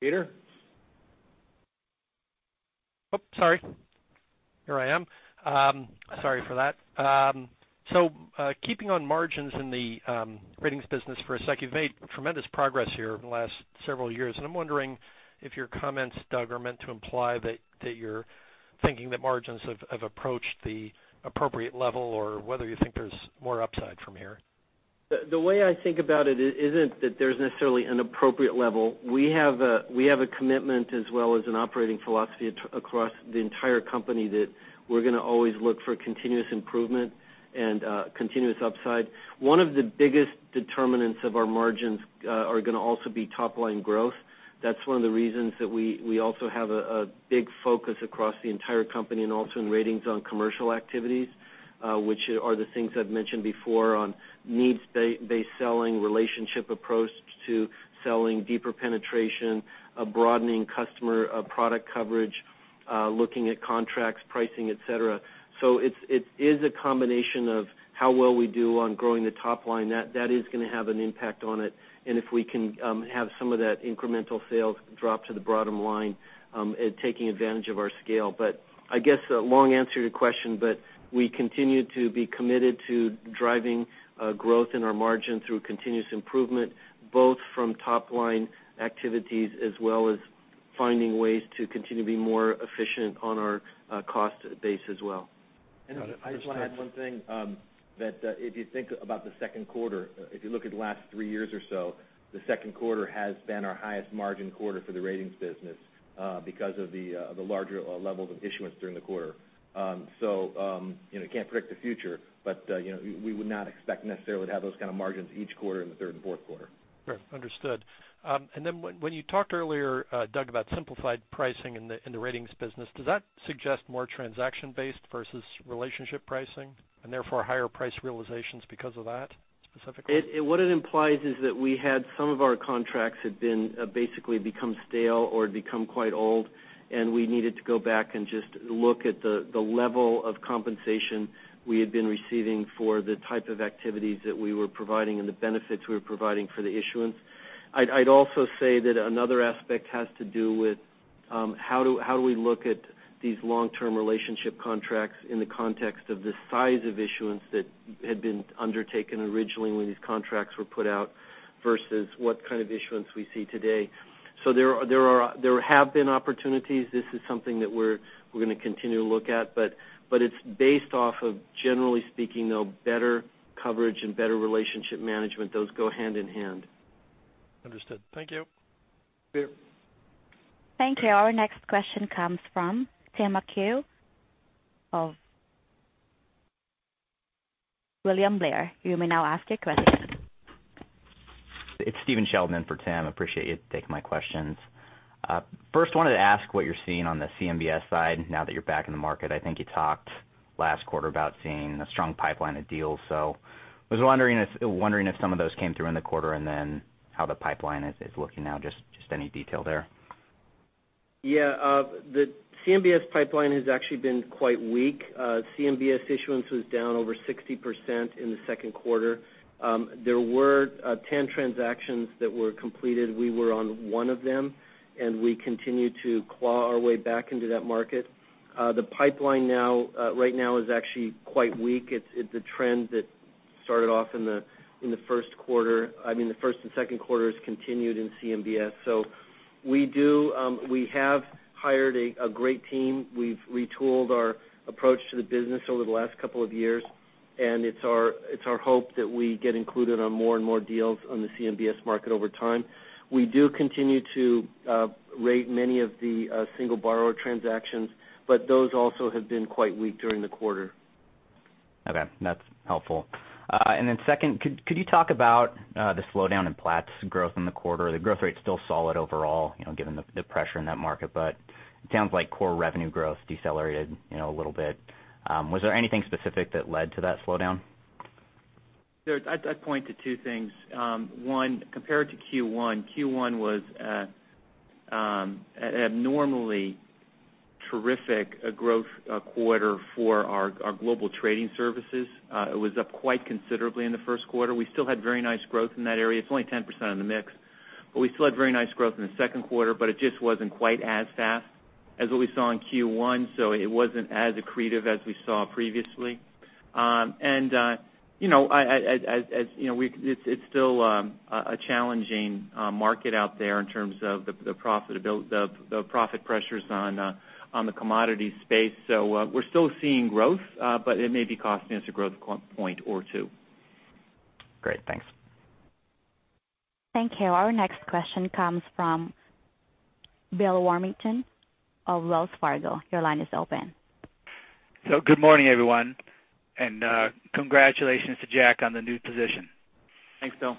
Peter? Sorry. Here I am. Sorry for that. Keeping on margins in the Ratings business for a sec, you've made tremendous progress here over the last several years, and I'm wondering if your comments, Doug, are meant to imply that you're thinking that margins have approached the appropriate level or whether you think there's more upside from here. The way I think about it isn't that there's necessarily an appropriate level. We have a commitment as well as an operating philosophy across the entire company that we're going to always look for continuous improvement and continuous upside. One of the biggest determinants of our margins are going to also be top-line growth. That's one of the reasons that we also have a big focus across the entire company and also in Ratings on commercial activities which are the things I've mentioned before on needs-based selling, relationship approach to selling, deeper penetration, broadening customer product coverage, looking at contracts, pricing, et cetera. It is a combination of how well we do on growing the top line. That is going to have an impact on it. If we can have some of that incremental sales drop to the bottom line, taking advantage of our scale. I guess a long answer to your question, we continue to be committed to driving growth in our margin through continuous improvement, both from top-line activities as well as finding ways to continue to be more efficient on our cost base as well. I just want to add one thing, that if you think about the second quarter, if you look at the last three years or so, the second quarter has been our highest margin quarter for the Ratings business because of the larger levels of issuance during the quarter. You can't predict the future, but we would not expect necessarily to have those kind of margins each quarter in the third and fourth quarter. Sure. Understood. When you talked earlier, Doug, about simplified pricing in the ratings business, does that suggest more transaction-based versus relationship pricing and therefore higher price realizations because of that specifically? What it implies is that we had some of our contracts had basically become stale or become quite old, we needed to go back and just look at the level of compensation we had been receiving for the type of activities that we were providing and the benefits we were providing for the issuance. I'd also say that another aspect has to do with how do we look at these long-term relationship contracts in the context of the size of issuance that had been undertaken originally when these contracts were put out, versus what kind of issuance we see today. There have been opportunities. This is something that we're going to continue to look at, but it's based off of, generally speaking, though, better coverage and better relationship management. Those go hand in hand. Understood. Thank you. Yeah. Thank you. Our next question comes from Tim McHugh of William Blair. You may now ask your question. It's Stephen Sheldon in for Tim. Appreciate you taking my questions. First, wanted to ask what you're seeing on the CMBS side now that you're back in the market. I think you talked last quarter about seeing a strong pipeline of deals. I was wondering if some of those came through in the quarter, and then how the pipeline is looking now, just any detail there. Yeah. The CMBS pipeline has actually been quite weak. CMBS issuance was down over 60% in the second quarter. There were 10 transactions that were completed. We were on one of them, and we continue to claw our way back into that market. The pipeline right now is actually quite weak. It's a trend that started off in the first quarter, I mean, the first and second quarters continued in CMBS. We have hired a great team. We've retooled our approach to the business over the last couple of years, and it's our hope that we get included on more and more deals on the CMBS market over time. We do continue to rate many of the single borrower transactions, but those also have been quite weak during the quarter. Second, could you talk about the slowdown in Platts' growth in the quarter? The growth rate's still solid overall, given the pressure in that market, but it sounds like core revenue growth decelerated a little bit. Was there anything specific that led to that slowdown? I'd point to two things. One, compared to Q1 was an abnormally terrific growth quarter for our Global Trading Services. It was up quite considerably in the first quarter. We still had very nice growth in that area. It's only 10% of the mix, but we still had very nice growth in the second quarter, but it just wasn't quite as fast as what we saw in Q1, so it wasn't as accretive as we saw previously. It's still a challenging market out there in terms of the profit pressures on the commodity space. We're still seeing growth, but it may be costing us a growth point or two. Great. Thanks. Thank you. Our next question comes from Bill Warmington of Wells Fargo. Your line is open. Good morning, everyone, and congratulations to Jack on the new position. Thanks, Bill.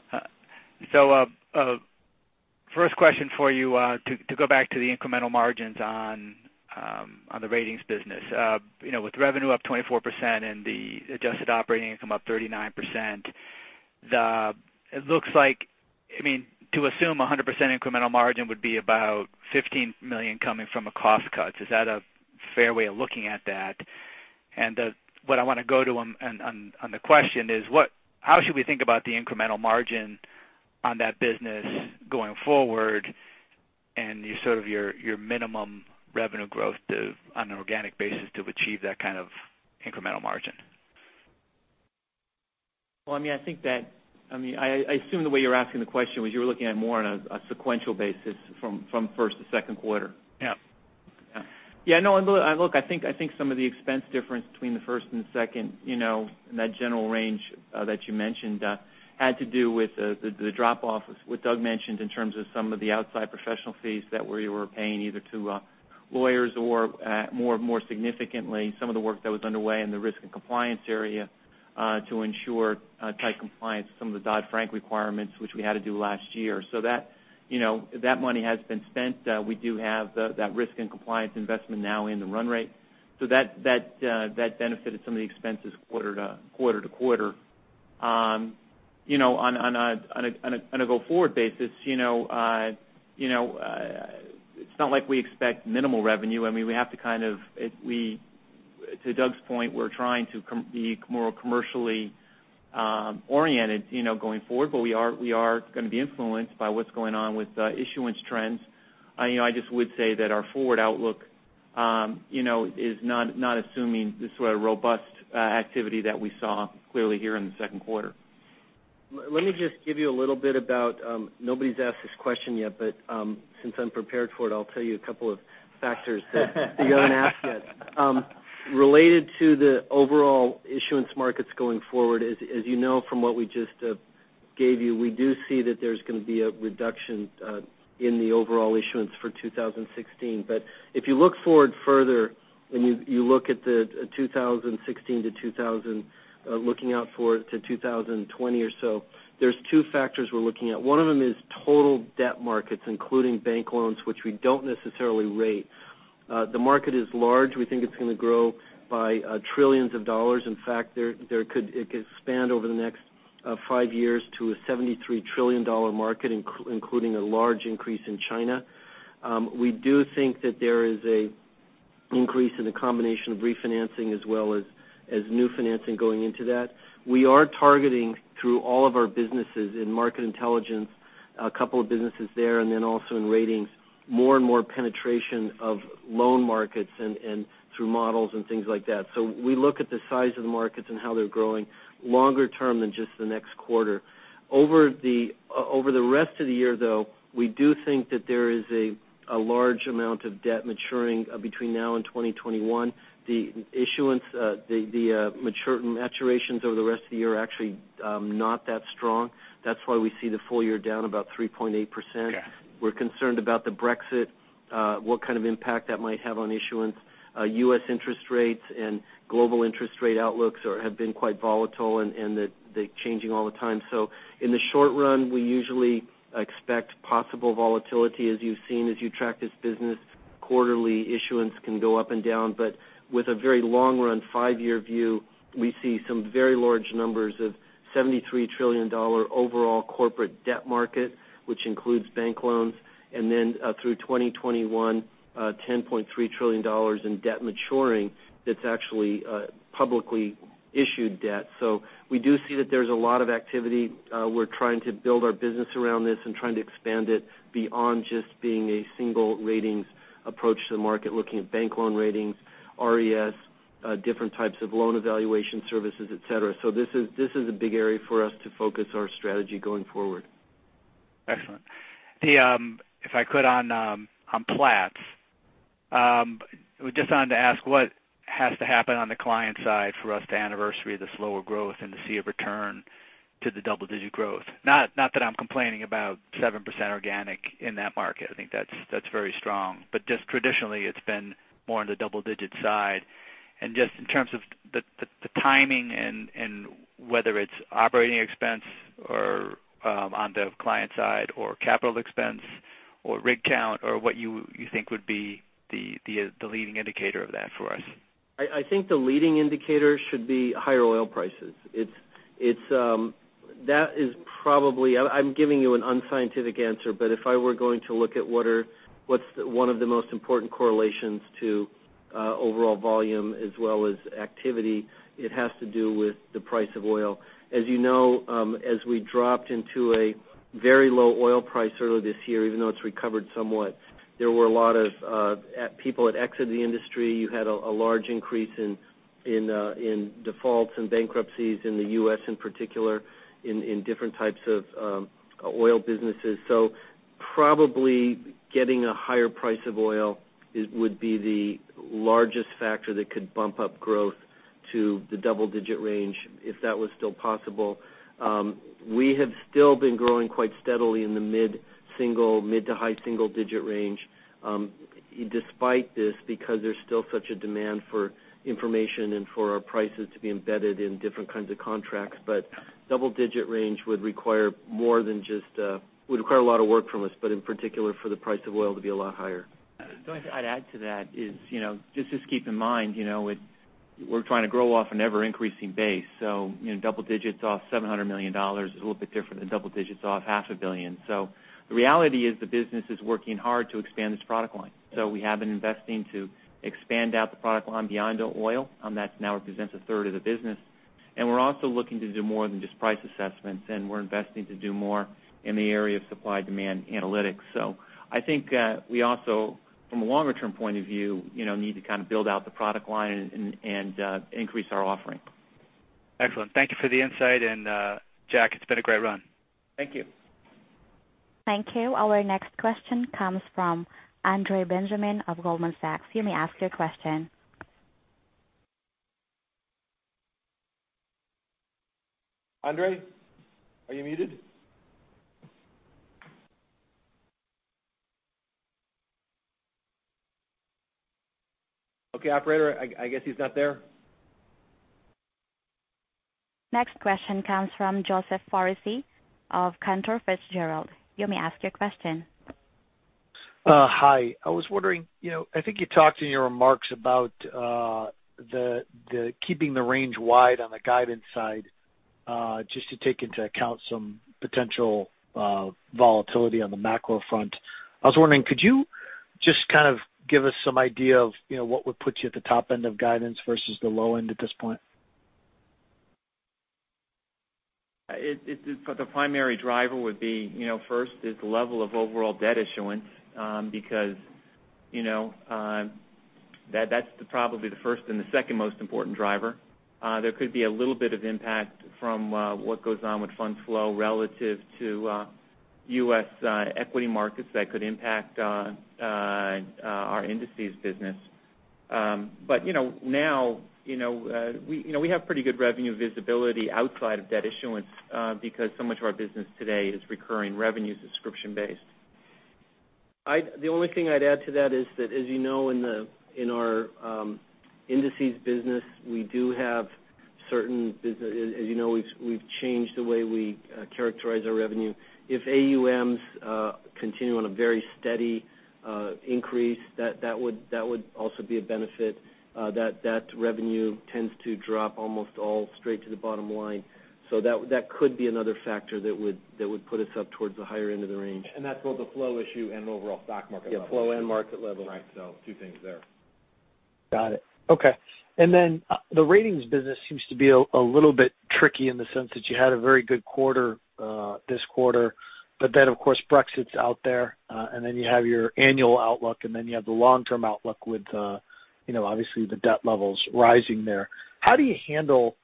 First question for you, to go back to the incremental margins on the ratings business. With revenue up 24% and the adjusted operating income up 39%, it looks like to assume 100% incremental margin would be about $15 million coming from a cost cut. Is that a fair way of looking at that? And what I want to go to on the question is, how should we think about the incremental margin on that business going forward and your minimum revenue growth on an organic basis to achieve that kind of incremental margin? Well, I assume the way you're asking the question was you're looking at more on a sequential basis from first to second quarter. Yeah. Yeah, no. Look, I think some of the expense difference between the first and second in that general range that you mentioned had to do with the drop-off, as what Doug mentioned, in terms of some of the outside professional fees that we were paying either to lawyers or more significantly, some of the work that was underway in the risk and compliance area to ensure tight compliance with some of the Dodd-Frank requirements, which we had to do last year. That money has been spent. We do have that risk and compliance investment now in the run rate. That benefited some of the expenses quarter to quarter. On a go-forward basis, it's not like we expect minimal revenue. To Doug's point, we're trying to be more commercially oriented going forward, we are going to be influenced by what's going on with issuance trends. I just would say that our forward outlook is not assuming the sort of robust activity that we saw clearly here in the second quarter. Let me just give you a little bit. Nobody's asked this question yet. Since I'm prepared for it, I'll tell you a couple of factors you haven't asked yet. Related to the overall issuance markets going forward, as you know from what we just gave you, we do see that there's going to be a reduction in the overall issuance for 2016. If you look forward further, when you look at the 2016 looking out forward to 2020 or so, there's two factors we're looking at. One of them is total debt markets, including bank loans, which we don't necessarily rate. The market is large. We think it's going to grow by $trillions. In fact, it could expand over the next five years to a $73 trillion market, including a large increase in China. We do think that there is a increase in the combination of refinancing as well as new financing going into that. We are targeting through all of our businesses in Market Intelligence, a couple of businesses there, and then also in Ratings, more penetration of loan markets and through models and things like that. We look at the size of the markets and how they're growing longer term than just the next quarter. Over the rest of the year though, we do think that there is a large amount of debt maturing between now and 2021. The issuance, the maturities over the rest of the year are actually not that strong. That's why we see the full year down about 3.8%. Okay. We're concerned about the Brexit, what kind of impact that might have on issuance. U.S. interest rates and global interest rate outlooks have been quite volatile and they're changing all the time. In the short run, we usually expect possible volatility, as you've seen, as you track this business. Quarterly issuance can go up and down. But with a very long run five-year view, we see some very large numbers of $73 trillion overall corporate debt market. Which includes bank loans, and then through 2021, $10.3 trillion in debt maturing, that's actually publicly issued debt. We do see that there's a lot of activity. We're trying to build our business around this and trying to expand it beyond just being a single ratings approach to the market, looking at bank loan ratings, RES, different types of loan evaluation services, et cetera. This is a big area for us to focus our strategy going forward. Excellent. If I could on Platts. I just wanted to ask what has to happen on the client side for us to anniversary the slower growth and to see a return to the double-digit growth? Not that I'm complaining about 7% organic in that market. I think that's very strong. Traditionally, it's been more on the double-digit side. In terms of the timing and whether it's operating expense or on the client side or capital expense or rig count or what you think would be the leading indicator of that for us. I think the leading indicator should be higher oil prices. I'm giving you an unscientific answer, but if I were going to look at what's one of the most important correlations to overall volume as well as activity, it has to do with the price of oil. As you know, as we dropped into a very low oil price early this year, even though it's recovered somewhat, there were a lot of people that exited the industry. You had a large increase in defaults and bankruptcies in the U.S. in particular, in different types of oil businesses. Probably getting a higher price of oil would be the largest factor that could bump up growth to the double-digit range, if that was still possible. We have still been growing quite steadily in the mid to high single-digit range despite this, because there's still such a demand for information and for our prices to be embedded in different kinds of contracts. Double-digit range would require a lot of work from us, but in particular for the price of oil to be a lot higher. The only thing I'd add to that is just keep in mind, we're trying to grow off an ever-increasing base. Double digits off $700 million is a little bit different than double digits off half a billion. The reality is the business is working hard to expand its product line. We have been investing to expand out the product line beyond oil. That now represents a third of the business. We're also looking to do more than just price assessments, and we're investing to do more in the area of supply-demand analytics. I think we also, from a longer-term point of view, need to build out the product line and increase our offering. Excellent. Thank you for the insight. Jack, it's been a great run. Thank you. Thank you. Our next question comes from Andre Benjamin of Goldman Sachs. You may ask your question. Andre, are you muted? Okay, operator, I guess he's not there. Next question comes from Joseph Foresi of Cantor Fitzgerald. You may ask your question. Hi. I was wondering, I think you talked in your remarks about keeping the range wide on the guidance side, just to take into account some potential volatility on the macro front. I was wondering, could you just give us some idea of what would put you at the top end of guidance versus the low end at this point? The primary driver would be, first is the level of overall debt issuance, because that's probably the first and the second most important driver. There could be a little bit of impact from what goes on with fund flow relative to U.S. equity markets that could impact our indices business. Now we have pretty good revenue visibility outside of debt issuance, because so much of our business today is recurring revenue subscription-based. The only thing I'd add to that is that, as you know, in our indices business, as you know, we've changed the way we characterize our revenue. If AUMs continue on a very steady increase, that would also be a benefit. That revenue tends to drop almost all straight to the bottom line. That could be another factor that would put us up towards the higher end of the range. That's both a flow issue and overall stock market level. Yeah, flow and market level. Right. two things there. Got it. Okay. The ratings business seems to be a little bit tricky in the sense that you had a very good quarter this quarter, of course Brexit's out there, you have your annual outlook, you have the long-term outlook with obviously the debt levels rising there. How do you handle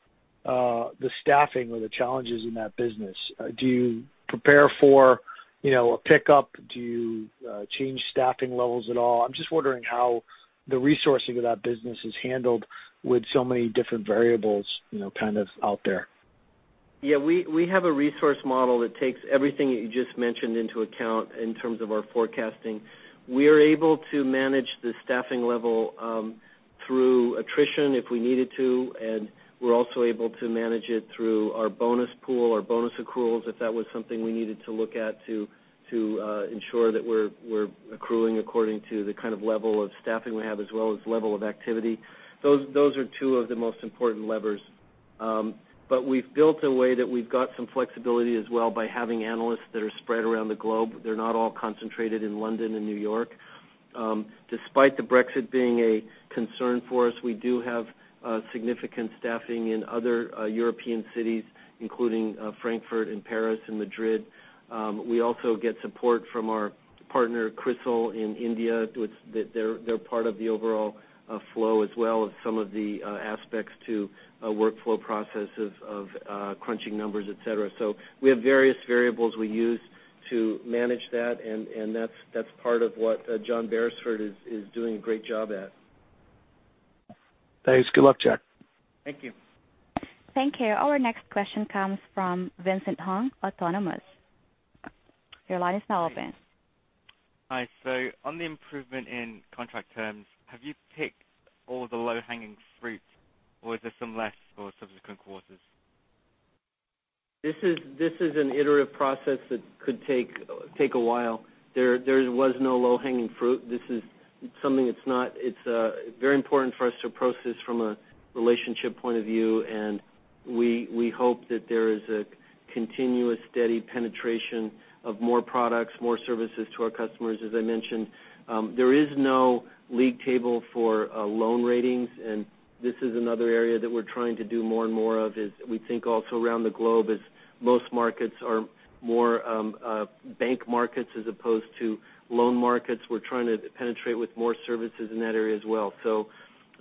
the staffing or the challenges in that business? Do you prepare for a pickup? Do you change staffing levels at all? I'm just wondering how the resourcing of that business is handled with so many different variables kind of out there. We have a resource model that takes everything that you just mentioned into account in terms of our forecasting. We are able to manage the staffing level through attrition if we needed to, and we're also able to manage it through our bonus pool, our bonus accruals, if that was something we needed to look at to ensure that we're accruing according to the kind of level of staffing we have as well as level of activity. Those are two of the most important levers. We've built a way that we've got some flexibility as well by having analysts that are spread around the globe. They're not all concentrated in London and New York. Despite the Brexit being a concern for us, we do have significant staffing in other European cities, including Frankfurt and Paris and Madrid. We also get support from our partner, CRISIL in India. They're part of the overall flow as well as some of the aspects to workflow processes of crunching numbers, et cetera. We have various variables we use to manage that, and that's part of what John Berisford is doing a great job at. Thanks. Good luck, Jack. Thank you. Thank you. Our next question comes from Vincent Hung, Autonomous. Your line is now open. Hi. On the improvement in contract terms, have you picked all the low-hanging fruit, or is there some left for subsequent quarters? This is an iterative process that could take a while. There was no low-hanging fruit. It's very important for us to approach this from a relationship point of view, we hope that there is a continuous, steady penetration of more products, more services to our customers, as I mentioned. There is no league table for loan ratings, this is another area that we're trying to do more and more of is we think also around the globe is most markets are more bank markets as opposed to loan markets. We're trying to penetrate with more services in that area as well.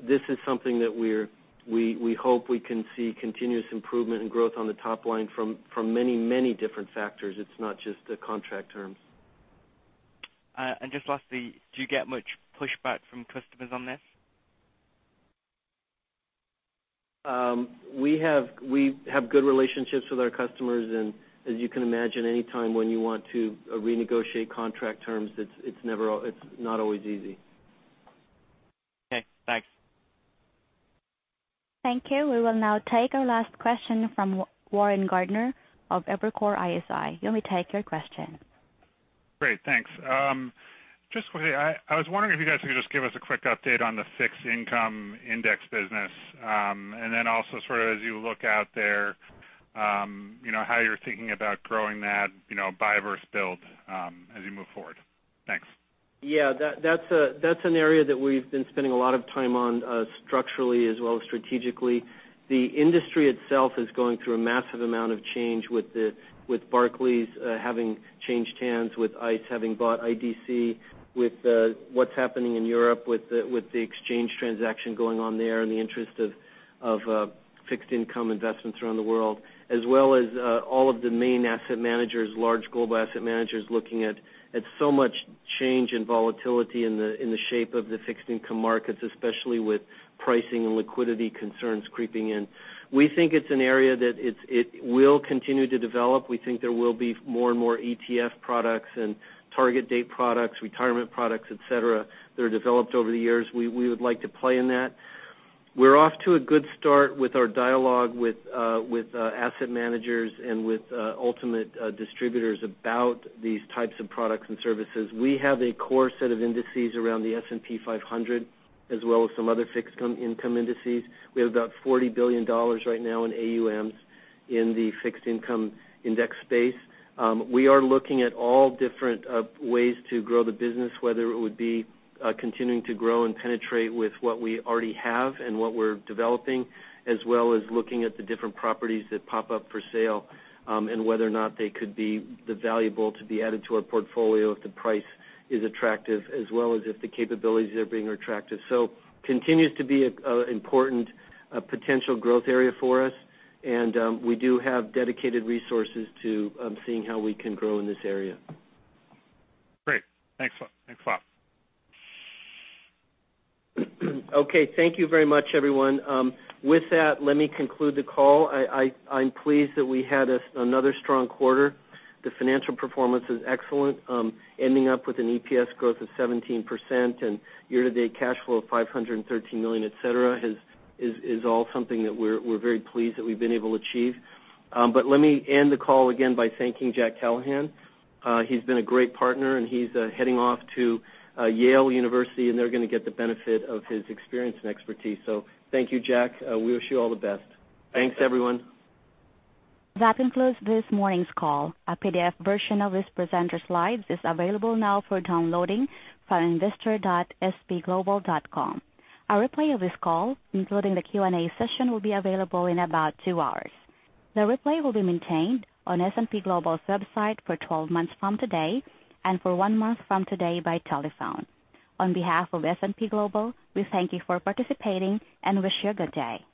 This is something that we hope we can see continuous improvement and growth on the top line from many different factors. It's not just the contract terms. Just lastly, do you get much pushback from customers on this? We have good relationships with our customers, as you can imagine, any time when you want to renegotiate contract terms, it's not always easy. Okay, thanks. Thank you. We will now take our last question from Warren Gardiner of Evercore ISI. You may take your question. Great, thanks. Just quickly, I was wondering if you guys could just give us a quick update on the fixed income index business. Also sort of as you look out there, how you're thinking about growing that, buy versus build as you move forward. Thanks. Yeah, that's an area that we've been spending a lot of time on structurally as well as strategically. The industry itself is going through a massive amount of change with Barclays having changed hands, with ICE having bought IDC, with what's happening in Europe with the exchange transaction going on there in the interest of fixed income investments around the world. As well as all of the main asset managers, large global asset managers looking at so much change and volatility in the shape of the fixed income markets, especially with pricing and liquidity concerns creeping in. We think it's an area that it will continue to develop. We think there will be more and more ETF products and target date products, retirement products, et cetera, that are developed over the years. We would like to play in that. We're off to a good start with our dialogue with asset managers and with ultimate distributors about these types of products and services. We have a core set of indices around the S&P 500 as well as some other fixed income indices. We have about $40 billion right now in AUMs in the fixed income index space. We are looking at all different ways to grow the business, whether it would be continuing to grow and penetrate with what we already have and what we're developing, as well as looking at the different properties that pop up for sale, and whether or not they could be valuable to be added to our portfolio if the price is attractive as well as if the capabilities are being attractive. continues to be an important potential growth area for us, and we do have dedicated resources to seeing how we can grow in this area. Great. Thanks a lot. Okay. Thank you very much, everyone. With that, let me conclude the call. I'm pleased that we had another strong quarter. The financial performance is excellent. Ending up with an EPS growth of 17% and year-to-date cash flow of $513 million, et cetera, is all something that we're very pleased that we've been able to achieve. Let me end the call again by thanking Jack Callahan. He's been a great partner, and he's heading off to Yale University, and they're going to get the benefit of his experience and expertise. Thank you, Jack. We wish you all the best. Thanks, everyone. That concludes this morning's call. A PDF version of this presenter's slides is available now for downloading from investor.spglobal.com. A replay of this call, including the Q&A session, will be available in about two hours. The replay will be maintained on S&P Global's website for 12 months from today and for one month from today by telephone. On behalf of S&P Global, we thank you for participating and wish you a good day.